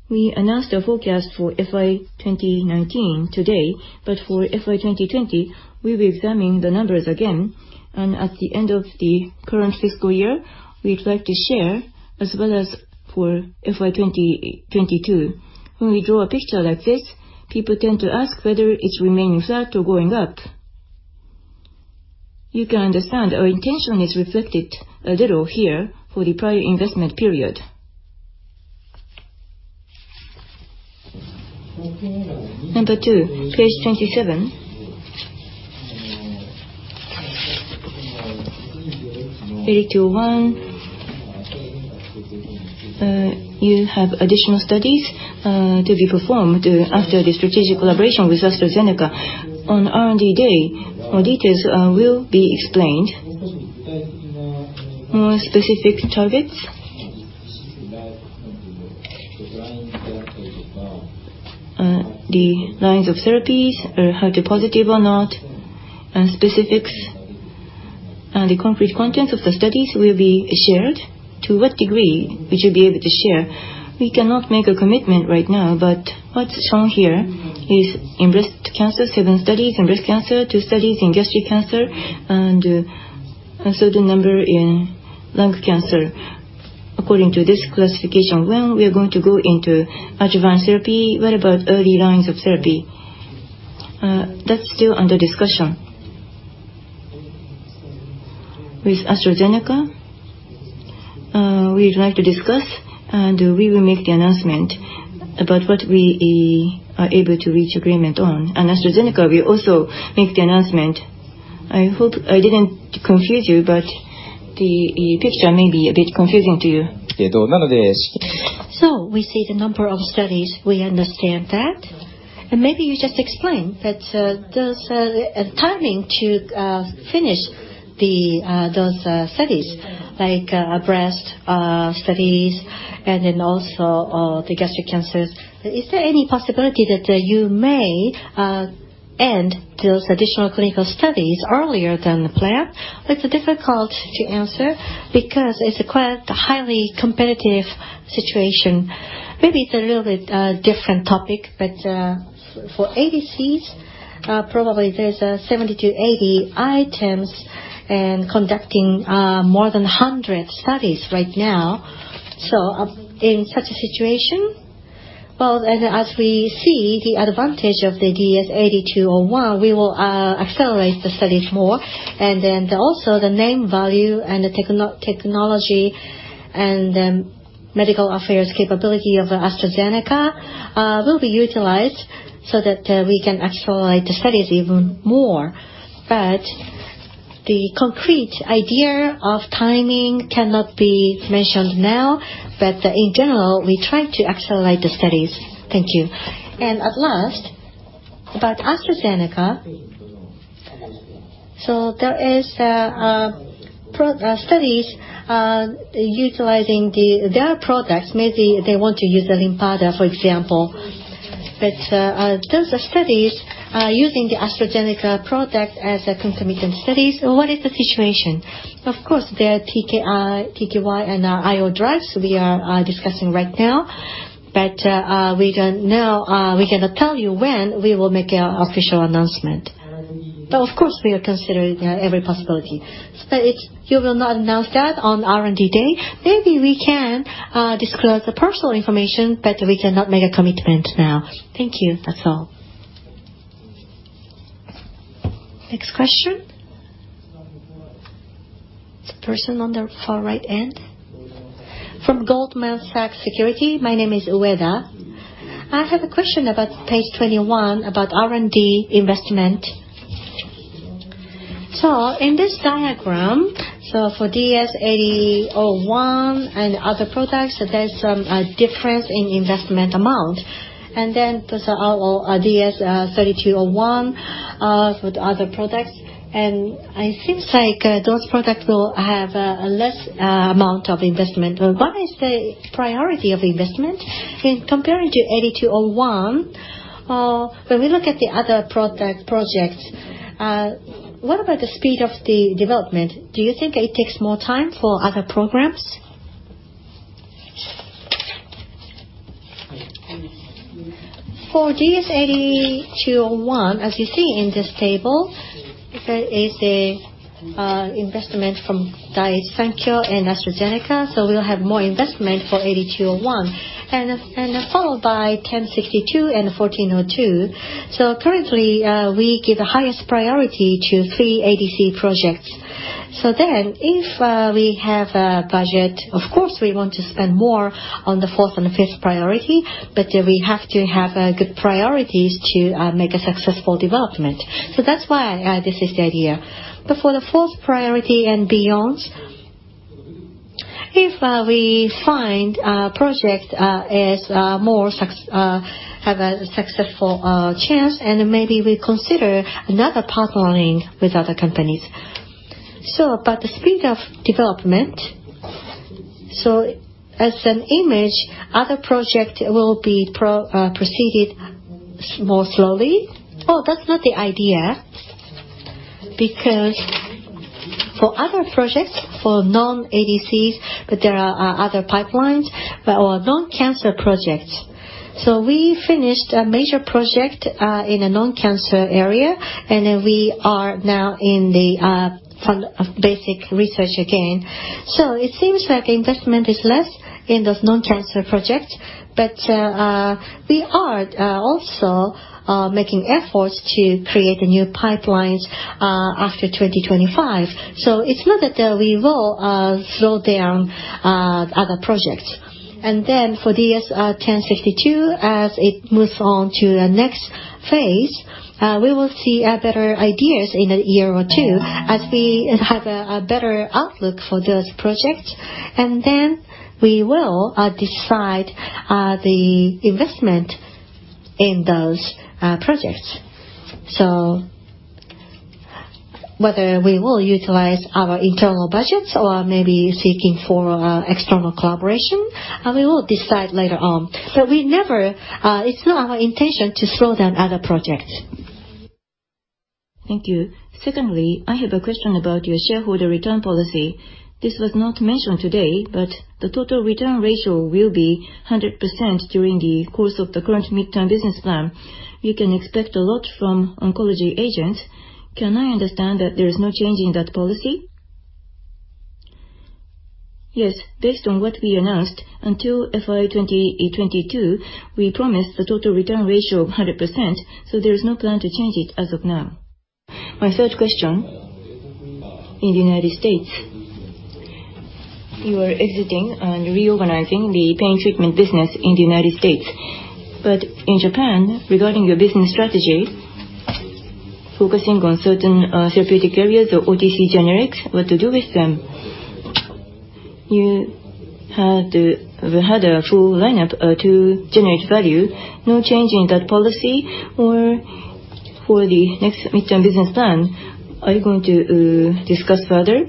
We announced our forecast for FY 2019 today, for FY 2020, we'll be examining the numbers again, and at the end of the current fiscal year, we'd like to share as well for FY 2022. When we draw a picture like this, people tend to ask whether it's remaining flat or going up. You can understand our intention is reflected a little here for the prior investment period. Number two, page 27: DS-8201, you have additional studies to be performed after the strategic collaboration with AstraZeneca. On R&D Day, more details will be explained. More specific targets? The lines of therapies are HER2-positive or not, and specifics and the concrete contents of the studies will be shared. To what degree should you be able to share? We cannot make a commitment right now, but what's shown here is seven studies in breast cancer, two studies in gastric cancer, and a certain number in lung cancer. According to this classification, when we are going to go into advanced therapy, What about early lines of therapy? That's still under discussion with AstraZeneca, we'd like to discuss it, and we will make the announcement about what we are able to reach agreement on. AstraZeneca will also make the announcement. I hope I didn't confuse you, but the picture may be a bit confusing to you. We see the number of studies, we understand that. Maybe you just explain the timing to finish those studies, like breast studies and then also gastric cancers. Is there any possibility that you may end those additional clinical studies earlier than the plan? It's difficult to answer because it's quite a highly competitive situation. Maybe it's a little bit different topic, but for ADCs, there are probably 70-80 items and more than 100 studies being conducted right now. In such a situation, well, as we see the advantage of the DS-8201, we will accelerate the studies more. Also, the name, value, and technology and the medical affairs capability of AstraZeneca will be utilized so that we can accelerate the studies even more. The concrete idea of timing cannot be mentioned now. In general, we try to accelerate the studies. Thank you. At last, about AstraZeneca. There are studies utilizing their products. Maybe they want to use LYNPARZA, for example. Those studies are using the AstraZeneca product as a concomitant study. What is the situation? Of course, their TKI and IO drugs are what we are discussing right now. We cannot tell you when we will make an official announcement. Of course, we are considering every possibility. You will not announce that on R&D Day? Maybe we can disclose the personal information, but we cannot make a commitment now. Thank you. That's all. Next question. The person on the far right end. From Goldman Sachs Securities. My name is Ueda. I have a question about page 21, about R&D investment. In this diagram, for DS-8201 and other products, there's some difference in investment amount. Then those are all DS-3201 and other products. It seems like those products will have a smaller amount of investment. What is the priority of investment? In comparison to DS-8201, when we look at the other projects, what about the speed of the development? Do you think it takes more time for other programs? For DS-8201, as you see in this table, there is an investment from Daiichi Sankyo and AstraZeneca, so we'll have more investment for DS-8201, followed by DS-1062 and U3-1402. Currently, we give the highest priority to three ADC projects. If we have a budget, of course, we want to spend more on the fourth and fifth priorities, but we have to have good priorities to make a successful development. That's why this is the idea. For the fourth priority and beyond, if we find a project has a successful chance, maybe we consider another partnering with other companies. About the speed of development. As an image, other projects will proceed more slowly. That's not the idea. For other projects, for non-ADCs, but there are other pipelines or non-cancer projects. We finished a major project in a non-cancer area, and we are now in basic research again. It seems like investment is lower in those non-cancer projects. We are also making efforts to create new pipelines after 2025. It's not that we will slow down other projects. For DS-1062, as it moves on to the next phase, we will see better ideas in a year or two as we have a better outlook for those projects. We will decide the investment in those projects. Whether we will utilize our internal budgets or maybe seek external collaboration, we will decide later on. It's not our intention to slow down other projects. Thank you. Secondly, I have a question about your shareholder return policy. This was not mentioned today, but the total return ratio will be 100% during the course of the current midterm business plan. We can expect a lot from oncology agents. Can I understand that there is no change in that policy? Yes. Based on what we announced, until FY 2022, we promised a total return ratio of 100%. There is no plan to change it as of now. My third question: in the United States, you are exiting and reorganizing the pain treatment business. In Japan, regarding your business strategy, focusing on certain therapeutic areas or OTC, generics, what should you do with them? You had a full lineup to generate value. No change in that policy? For the next midterm business plan, are you going to discuss further,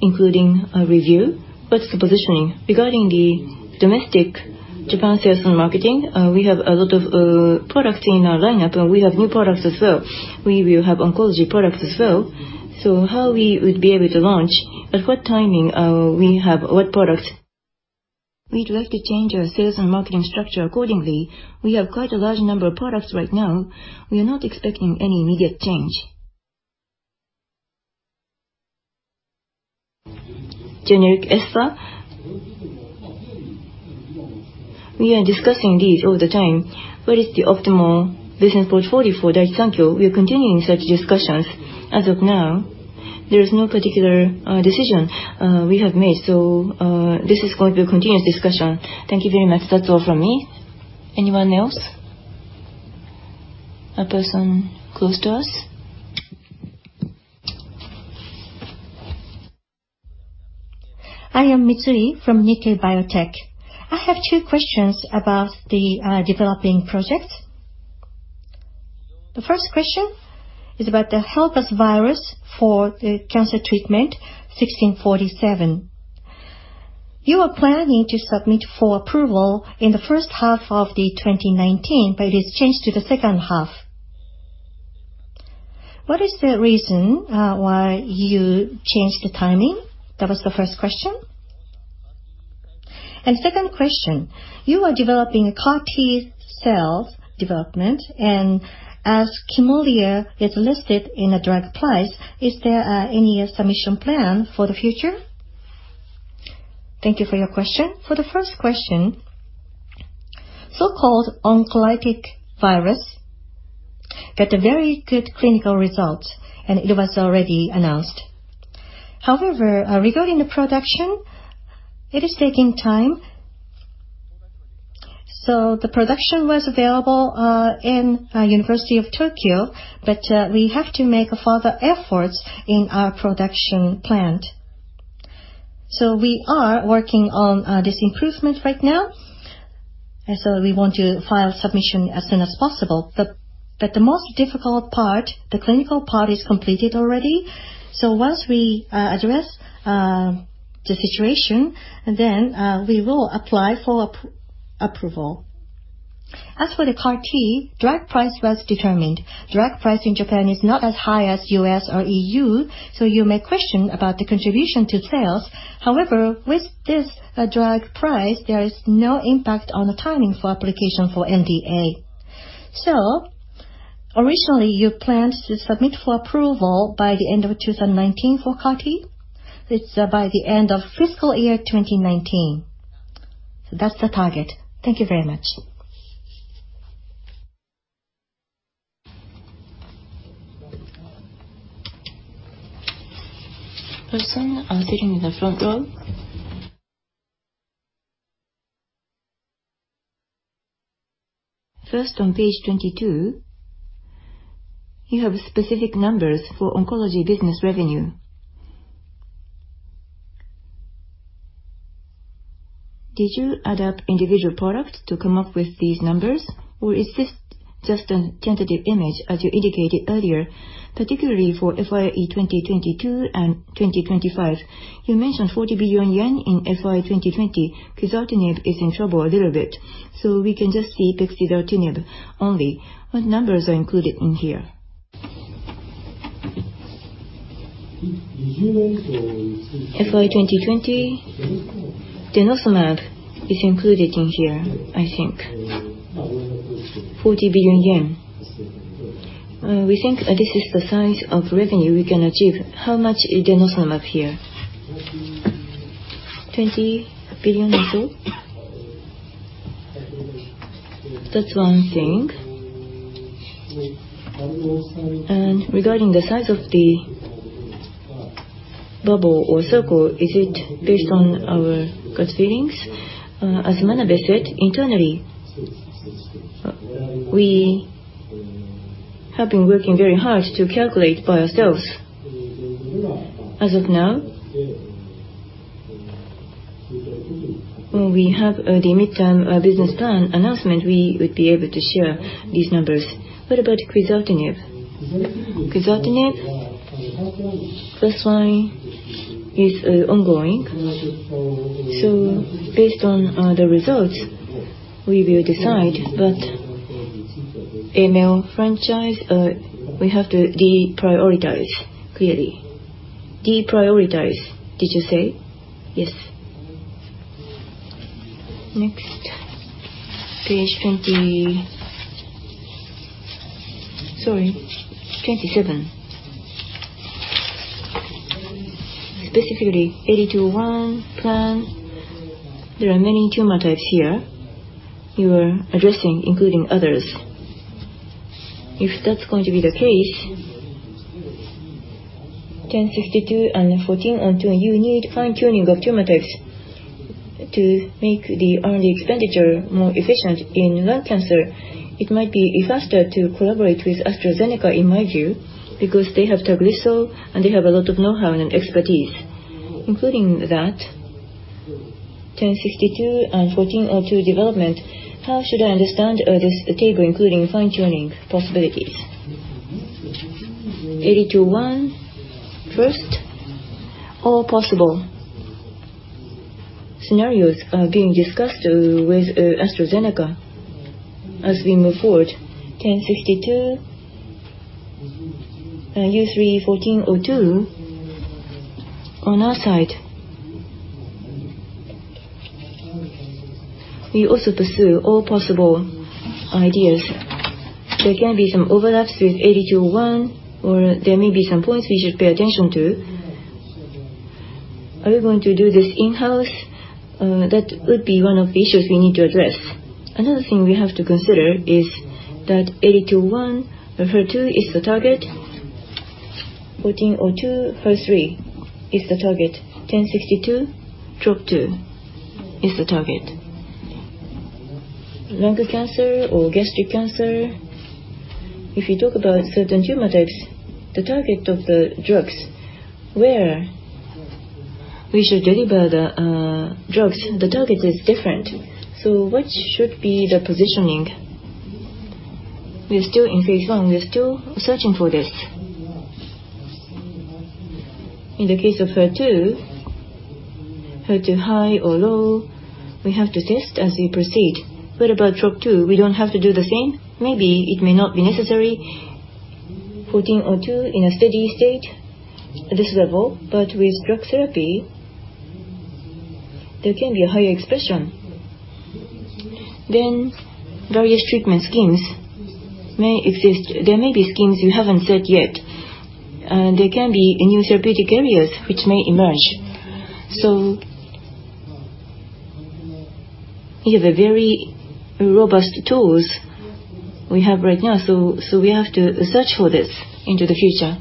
including a review? What's the positioning? Regarding the domestic Japan sales and marketing, we have a lot of products in our lineup. We have new products as well. We will have oncology products as well. How we would be able to launch and at what timing we have what products, we'd like to change our sales and marketing structure accordingly. We have quite a large number of products right now. We are not expecting any immediate change. Generic ESAs? We are discussing this all the time. What is the optimal business portfolio for Daiichi Sankyo? We are continuing such discussions. As of now, there is no particular decision we have made. This is going to be a continuous discussion. Thank you very much. That's all from me. Anyone else? A person close to us. I am Mitsui from Nikkei Biotech. I have two questions about the developing projects. The first question is about the oncolytic virus for the cancer treatment DS-1647. You are planning to submit for approval in the first half of 2019, but it has changed to the second half. What is the reason why you changed the timing? That was the first question. Second question: you are developing a CAR-T-cell development, and as Kymriah is listed in a drug price, is there any submission plan for the future? Thank you for your question. For the first question, the oncolytic virus got a very good clinical result, and it was already announced. However, regarding the production, it is taking time. The production was available at the University of Tokyo, but we have to make further efforts in our production plant. We are working on this improvement right now, we want to file a submission as soon as possible. The most difficult part, the clinical part, is completed already. Once we address the situation, we will apply for approval. As for the CAR-T, the drug price was determined. Drug prices in Japan are not as high as in the U.S. or EU, you may question the contribution to sales. However, with this drug price, there is no impact on the timing for application for the NDA. Originally, you planned to submit for approval by the end of 2019 for CAR-T. It's by the end of fiscal year 2019. That's the target. Thank you very much. Person sitting in the front row. First, on page 22, you have specific numbers for oncology business revenue. Did you add up individual products to come up with these numbers, or is this just a tentative image, as you indicated earlier, particularly for FY 2022 and 2025? You mentioned JPY 40 billion in FY 2020. Crizotinib is in trouble a little bit, so we can just see pexidartinib only. What numbers are included in here? FY 2020, denosumab is included in here, I think. 40 billion yen. We think this is the size of revenue we can achieve. How much is denosumab here? JPY 20 billion or so. That's one thing. Regarding the size of the bubble or circle, is it based on our gut feelings? As Manabe said, internally, we have been working very hard to calculate by ourselves. As of now, when we have the midterm business plan announcement, we would be able to share these numbers. What about quizartinib? quizartinib, first-line, is ongoing. Based on the results, we will decide. The AML franchise, we have to deprioritize clearly. Deprioritize, did you say? Yes. Next, page 20... Sorry, 27. Specifically, the DS-8201 plan. There are many tumor types here you are addressing, including others. If that's going to be the case, DS-1062 and U3-1402, you need fine-tuning of tumor types to make the R&D expenditure more efficient. In lung cancer, it might be faster to collaborate with AstraZeneca, in my view, because they have TAGRISSO, and they have a lot of know-how and expertise. Including the DS-1062 and U3-1402 development, how should I understand this table, including fine-tuning possibilities? DS-8201 first. All possible scenarios are being discussed with AstraZeneca as we move forward. DS-1062 and usually U3-1402 on our side. We also pursue all possible ideas. There can be some overlaps with DS-8201, or there may be some points we should pay attention to. Are we going to do this in-house? That would be one of the issues we need to address. Another thing we have to consider is that DS-8201, HER2, is the target. U3-1402, HER3, is the target. DS-1062, TROP-2, is the target. Lung cancer or gastric cancer—if you talk about certain tumor types, the target of the drugs, where we should deliver the drugs, is different. What should be the positioning? We are still in phase I. We are still searching for this. In the case of HER2 high to high or low, we have to test as we proceed. What about TROP-2? We don't have to do the same. Maybe it may not be necessary. U3-1402 in a steady state at this level. With drug therapy, there can be a higher expression. Various treatment schemes may exist. There may be schemes we haven't set yet. There can be new therapeutic areas that may emerge. We have very robust tools we have right now. We have to search for this in the future.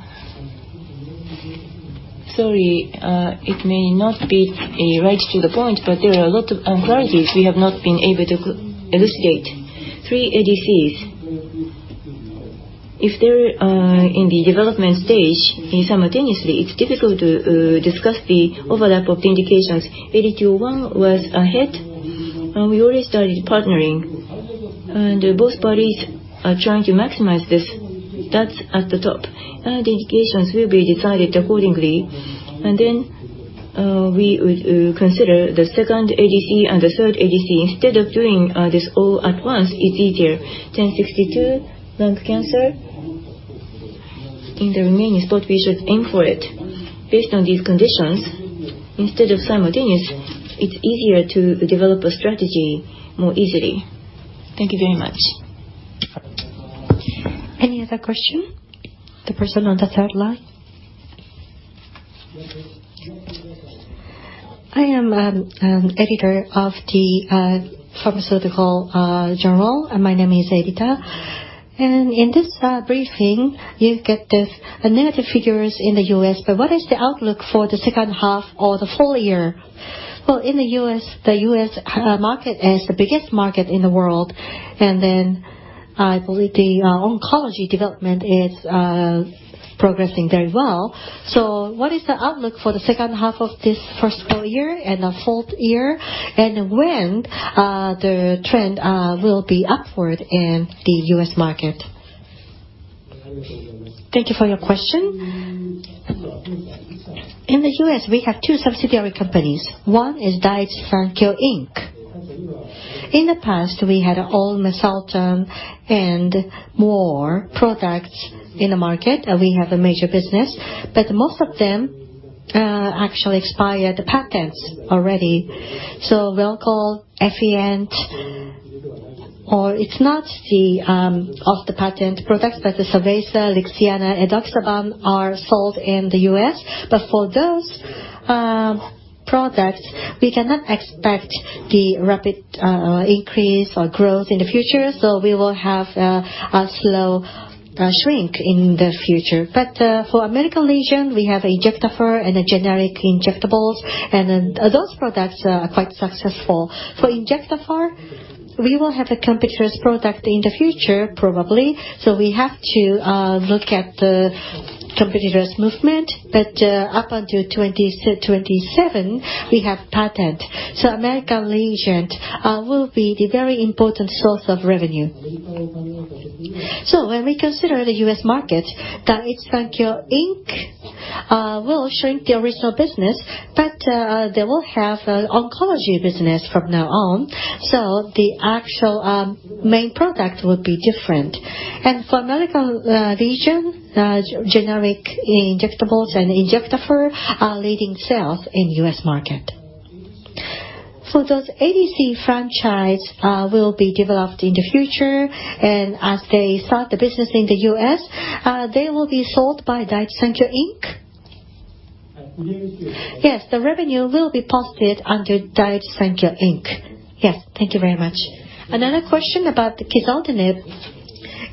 Sorry, it may not be right to the point, but there are a lot of uncertainties we have not been able to illustrate. Three ADCs. If they're in the development stage simultaneously, it's difficult to discuss the overlap of the indications. DS-8201 was ahead. We already started partnering, and both parties are trying to maximize this. That's at the top. The indications will be decided accordingly. We would consider the second ADC and the third ADC. Instead of doing this all at once, it's easier. DS-1062, lung cancer. In the remaining spot, we should aim for it based on these conditions. Instead of simultaneously, it's easier to develop a strategy more easily. Thank you very much. Any other question? The person on the third line. I am the editor of the Pharmaceutical Journal. My name is Edita. In this briefing, you get the negative figures in the U.S., what is the outlook for the second half or the full year? In the U.S., the U.S. market is the biggest market in the world, I believe the oncology development is progressing very well. What is the outlook for the second half of this first full year and the fourth year, and when will the trend be upward in the U.S. market? Thank you for your question. In the U.S., we have two subsidiary companies. One is Daiichi Sankyo Inc. In the past, we had olmesartan and more products in the market, and we have a major business. Most of them actually expired patents already. Welchol or Effient is not the off-the-patent product, but Savaysa, Lixiana, and edoxaban are sold in the U.S. For those products, we cannot expect the rapid increase or growth in the future. We will have a slow shrink in the future. For American Regent, we have Injectafer and generic injectables, and those products are quite successful. For Injectafer, we will have a competitor's product in the future, probably. We have to look at the competitor's movement. Up until 2027, we have a patent. American Regent will be the very important source of revenue. When we consider the U.S. market, Daiichi Sankyo, Inc. will shrink the original business, but it will have an oncology business from now on. The actual main product will be different. For American Regent, generic injectables and Injectafer are leading sales in the U.S. market. For those, ADC franchises will be developed in the future, and as they start the business in the U.S., they will be sold by Daiichi Sankyo, Inc? Yes. Yes, the revenue will be posted under Daiichi Sankyo, Inc. Yes. Thank you very much. Another question about the quizartinib.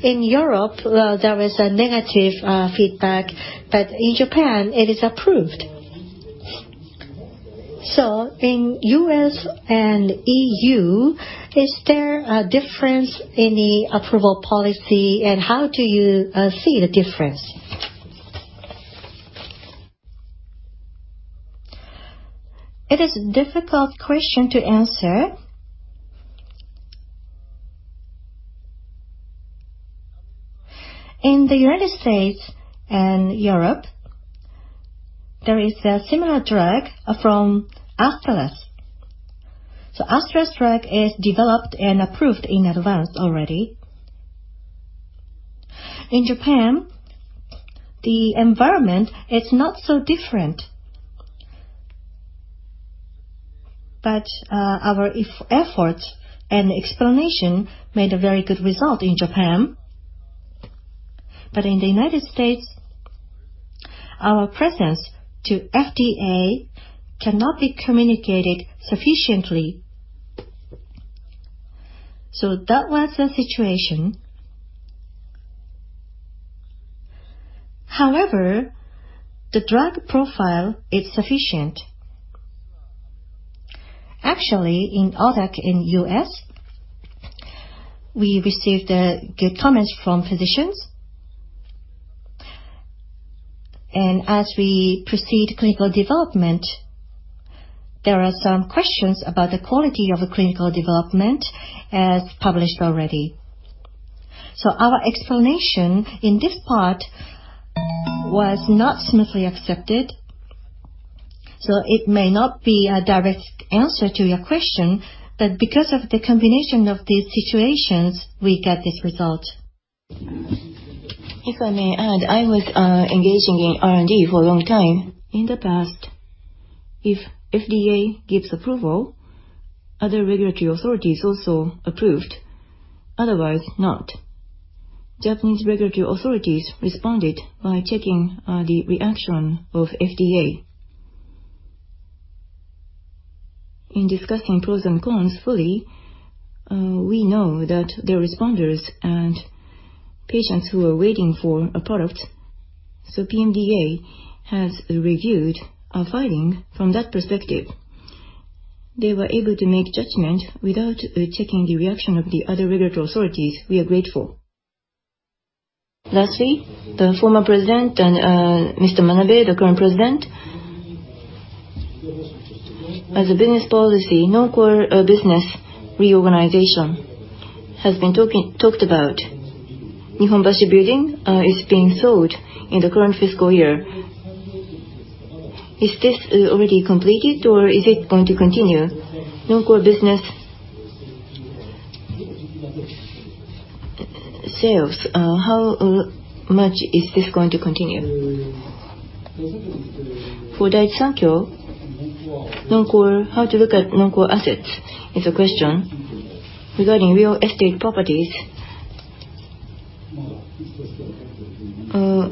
In Europe, there was negative feedback, in Japan, it is approved. In the U.S. and EU, is there a difference in the approval policy, and how do you see the difference? It is a difficult question to answer. In the United States and Europe, there is a similar drug from AstraZeneca. AstraZeneca's drug is developed and approved in advance already. In Japan, the environment is not so different. Our efforts and explanation made a very good result in Japan. In the United States, our presence to the FDA cannot be communicated sufficiently. That was the situation. However, the drug profile is sufficient. Actually, in ODAC in the U.S., we received good comments from physicians. As we proceed with clinical development, there are some questions about the quality of the clinical development as published already. Our explanation in this part was not smoothly accepted. It may not be a direct answer to your question, but because of the combination of these situations, we got this result. If I may add, I was engaging in R&D for a long time. In the past, if the FDA gave approval, other regulatory authorities also approved. Otherwise, not. Japanese regulatory authorities responded by checking the reaction of the FDA. In discussing pros and cons fully, we know that the responders and patients who are waiting for a product, so the PMDA has reviewed our filing from that perspective. They were able to make judgments without checking the reaction of the other regulatory authorities. We are grateful. Lastly, the former president and Mr. Manabe, the current president. As a business policy, non-core business reorganization has been talked about. The Nihonbashi building is being sold in the current fiscal year. Is this already completed, or is it going to continue? Non-core business sales, how much is this going to continue? For Daiichi Sankyo, how to look at non-core assets is a question. Regarding real estate properties,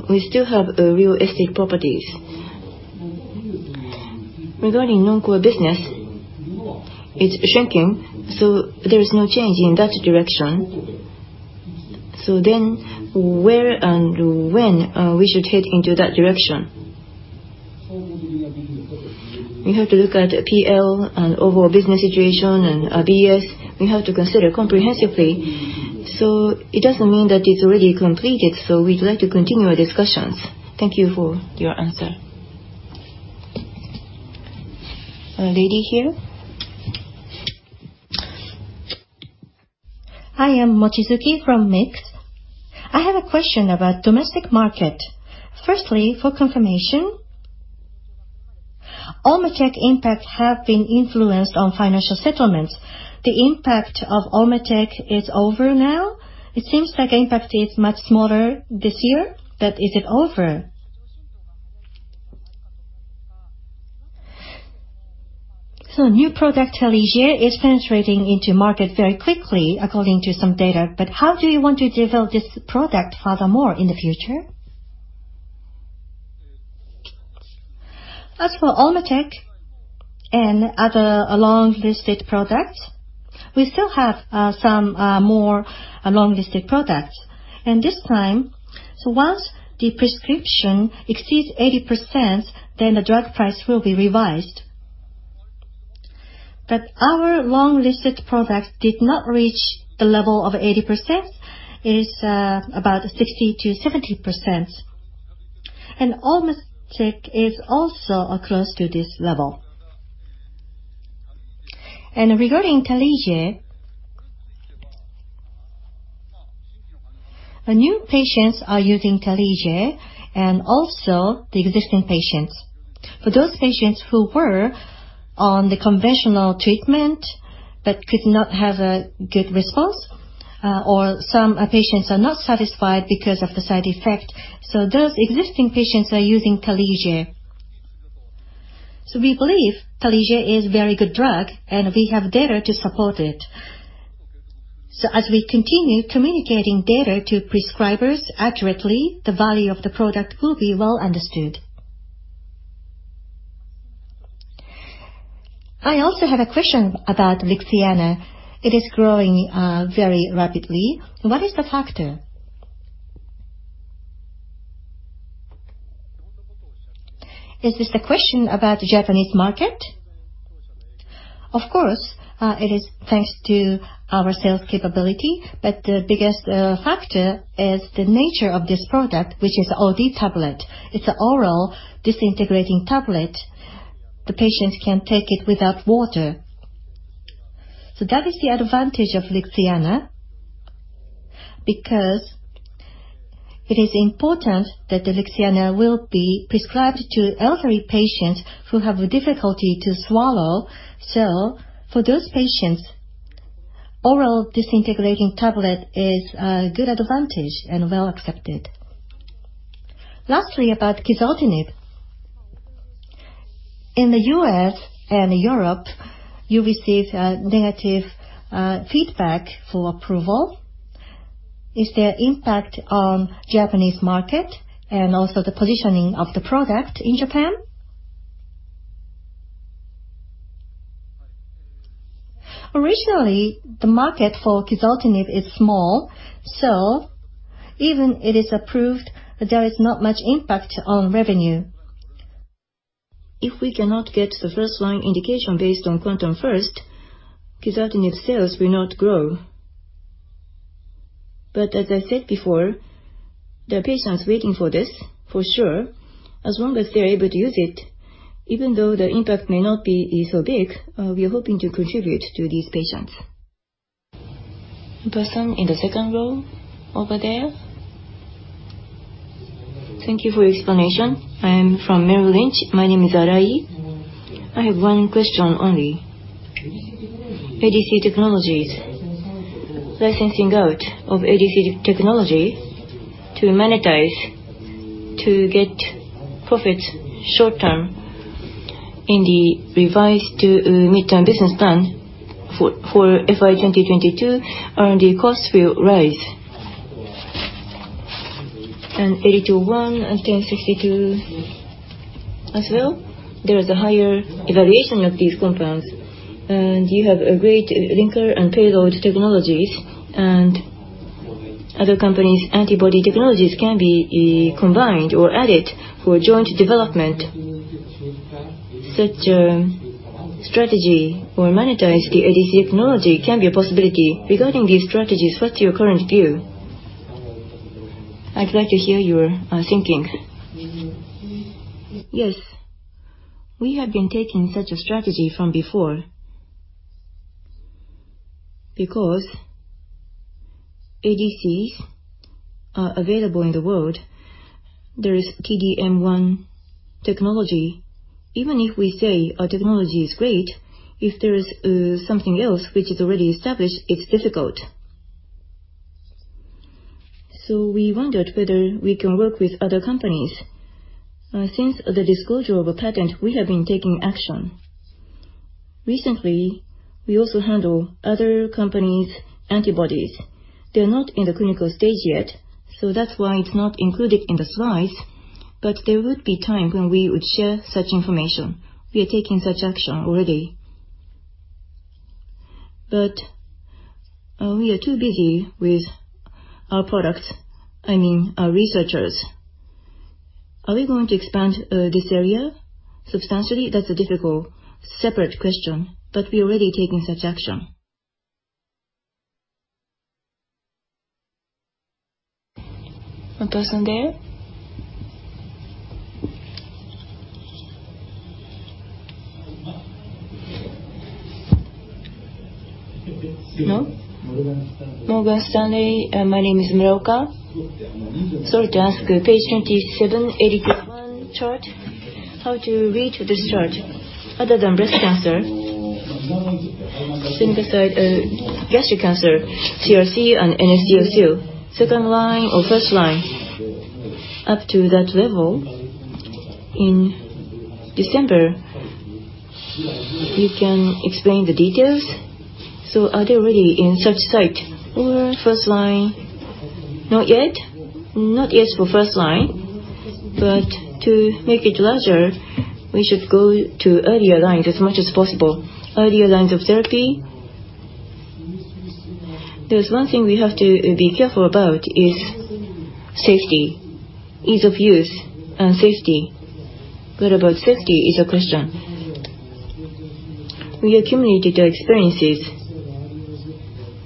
we still have real estate properties. Regarding non-core business, it's shrinking, so there is no change in that direction. Where and when should we head in that direction? We have to look at PL and the overall business situation and BS. We have to consider comprehensively. It doesn't mean that it's already completed. We'd like to continue our discussions. Thank you for your answer. A lady here. I am Mochizuki from Mix. I have a question about the domestic market. Firstly, for confirmation, Olmetec impacts have influenced financial settlements. The impact of Olmetec is over now? It seems like impact is much smaller this year, is it over? New product, Tarlige, is penetrating the market very quickly, according to some data. How do you want to develop this product further in the future? As for Olmetec and other long-listed products, we still have some more long-listed products. This time, once the prescription exceeds 80%, then the drug price will be revised. Our long-listed products did not reach the level of 80%, it is about 60%-70%. Olmetec is also close to this level. Regarding Tarlige, new patients are using Tarlige and also the existing patients. For those patients who were on the conventional treatment but could not have a good response. Some patients are not satisfied because of the side effects. Those existing patients are using Tarlige. We believe Tarlige is a very good drug, and we have data to support it. As we continue communicating data to prescribers accurately, the value of the product will be well understood. I also have a question about Lixiana. It is growing very rapidly. What is the factor? Is this a question about the Japanese market? Of course, it is thanks to our sales capability, but the biggest factor is the nature of this product, which is an OD tablet. It's an oral disintegrating tablet. The patients can take it without water. That is the advantage of Lixiana, because it is important that Lixiana be prescribed to elderly patients who have difficulty swallowing. For those patients, an oral disintegrating tablet is a good advantage and well accepted. Lastly, about quizartinib. In the U.S. and Europe, you received negative feedback for approval. Is there an impact on the Japanese market and also on the positioning of the product in Japan? The market for crizotinib is small, even if it is approved, there is not much impact on revenue. If we cannot get the first-line indication based on QuANTUM-First, crizotinib sales will not grow. As I said before, there are patients waiting for this, for sure. As long as they're able to use it, even though the impact may not be so big, we are hoping to contribute to these patients. The person in the second row over there. Thank you for your explanation. I am from Merrill Lynch. My name is Arai. I have one question only. ADC technologies, licensing out ADC technology to monetize and to get short-term profits in the revised mid-term business plan for FY 2022, R&D costs will rise. DS-8201 and DS-1062 as well. There is a higher evaluation of these compounds, and you have great linker and payload technologies, and other companies' antibody technologies can be combined or added for joint development. Such a strategy to monetize the ADC technology can be a possibility. Regarding these strategies, what's your current view? I'd like to hear your thinking. Yes. We have been taking such a strategy from before. ADCs are available in the world. There is T-DM1 technology. Even if we say our technology is great, if there is something else that is already established, it's difficult. We wondered whether we could work with other companies. Since the disclosure of a patent, we have been taking action. Recently, we also handle other companies' antibody production. They're not in the clinical stage yet, that's why it's not included in the slides, but there will be time when we will share such information. We are taking such action already. We are too busy with our products. I mean, our researchers. Are we going to expand this area substantially? That's a difficult separate question, we're already taking such action. One person there. No? Morgan Stanley. My name is Muraoka. Sorry to ask. Page 27, ADI-1201 chart. How to read this chart? Other than breast cancer, synthesize gastric cancer, CRC, and NSCLC. Second line or first line? Up to that level. In December, you can explain the details. Are they already on such a site or in the first line? Not yet. Not yet for the first line. To make it larger, we should go to earlier lines as much as possible. Earlier lines of therapy. There is one thing we have to be careful about: safety. Ease of use and safety. What about safety? It's a question. We accumulated our experiences.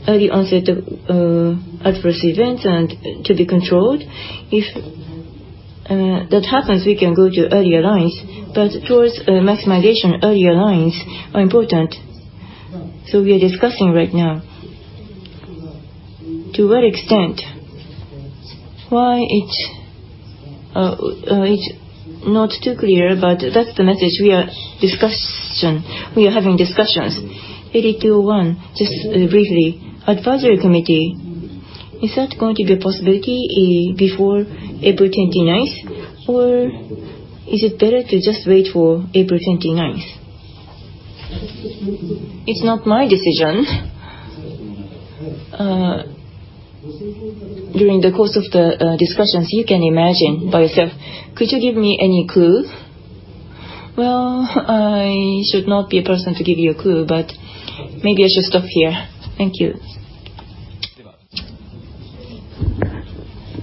Early onset of adverse events and to be controlled. If that happens, we can go to earlier lines, but towards maximization, earlier lines are important. We are discussing right now. To what extent? Why? It is not too clear, but that is the message. We are having discussions. DS-8201, just briefly, advisory committee, is that going to be a possibility before April 29th? Is it better to just wait for April 29th? It's not my decision. During the course of the discussions, you can imagine by yourself. Could you give me any clue? Well, I should not be a person to give you a clue, but maybe I should stop here. Thank you.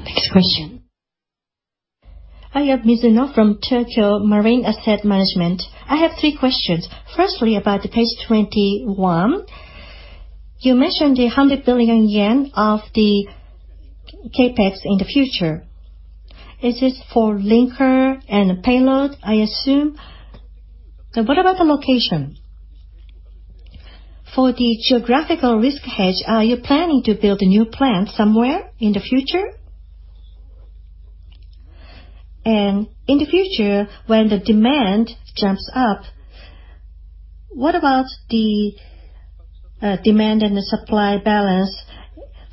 Next question. [Aya Mizuno] from Tokio Marine Asset Management. I have three questions. Firstly, about page 21. You mentioned the 100 billion yen of the CapEx in the future. Is this for the linker and payload, I assume? What about the location? For the geographical risk hedge, are you planning to build a new plant somewhere in the future? In the future, when the demand jumps up, what about the demand and the supply balance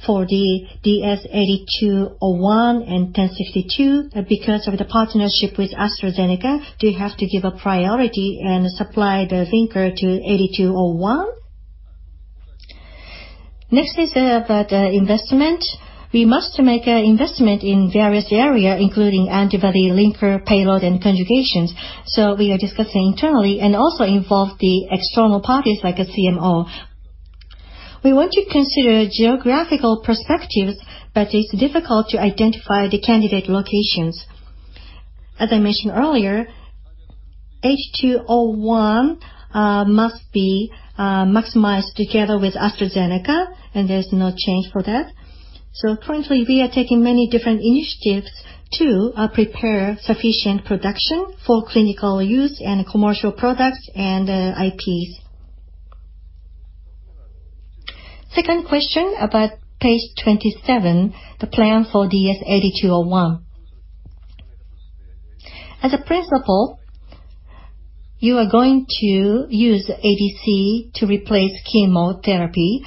for the DS-8201 and DS-1062? Because of the partnership with AstraZeneca, do you have to give priority and supply the linker to DS-8201? Next is about investment. We must make investments in various areas, including antibodies, linkers, payloads, and conjugations. We are discussing internally and also involving the external parties like the CMO. We want to consider geographical perspectives, but it's difficult to identify the candidate locations. As I mentioned earlier, DS-8201 must be maximized together with AstraZeneca. There's no change for that. Currently, we are taking many different initiatives to prepare sufficient production for clinical use and commercial products and IPs. Second question about page 27, the plan for DS-8201. As a principle, you are going to use ADC to replace chemotherapy.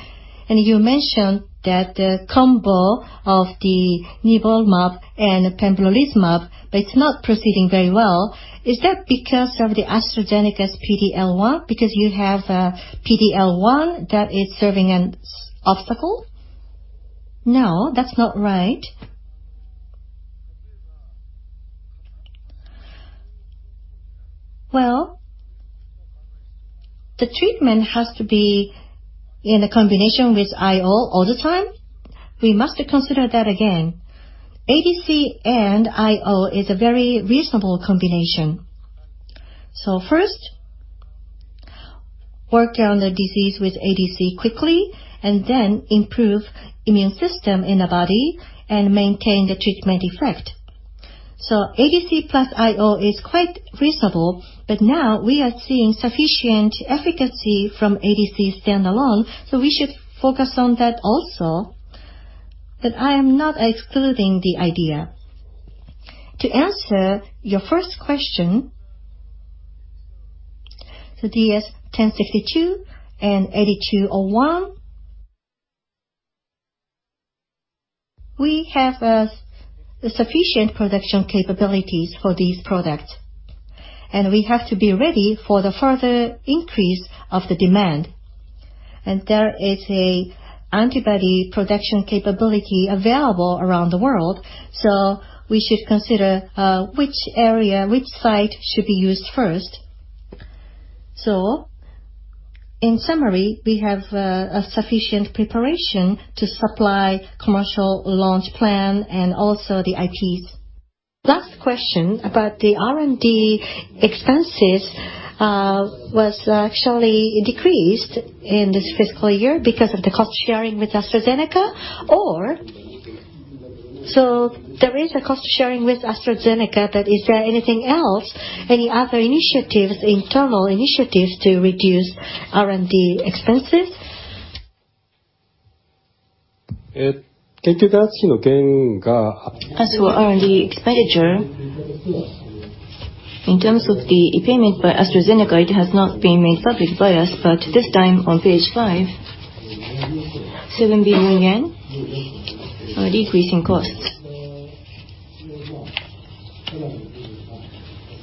You mentioned the combo of the nivolumab and pembrolizumab. It's not proceeding very well. Is that because of AstraZeneca's PD-L1, because you have a PD-L1 that is serving as an obstacle? No, that's not right. Well, the treatment has to be in combination with IO all the time. We must consider that again. ADC and IO are a very reasonable combination. First, work on the disease with ADC quickly. Then improve the immune system in the body and maintain the treatment effect. ADC plus IO is quite reasonable, but now we are seeing sufficient efficacy from ADC standalone, so we should focus on that also. I am not excluding the idea. To answer your first question, the DS-1062 and DS-8201, we have sufficient production capabilities for these products, and we have to be ready for the further increase in the demand. There is an antibody production capability available around the world, so we should consider which area, which site, should be used first. In summary, we have sufficient preparation to supply the commercial launch plan and also the IPs. Last question about the R&D expenses was actually decreased in this fiscal year because of the cost-sharing with AstraZeneca. There is cost-sharing with AstraZeneca, but is there anything else, any other initiatives, internal initiatives to reduce R&D expenses? As for R&D expenditure, in terms of the payment by AstraZeneca, it has not been made public by us, but this time on page five, 7 billion yen in costs are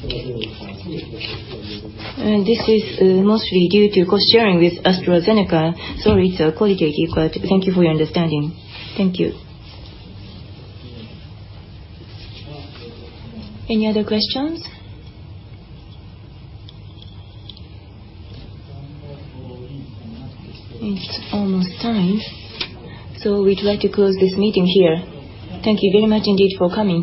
decreasing. This is mostly due to cost-sharing with AstraZeneca. Sorry, it's a quality issue, but thank you for your understanding. Thank you. Any other questions? It's almost time, we'd like to close this meeting here. Thank you very much indeed for coming.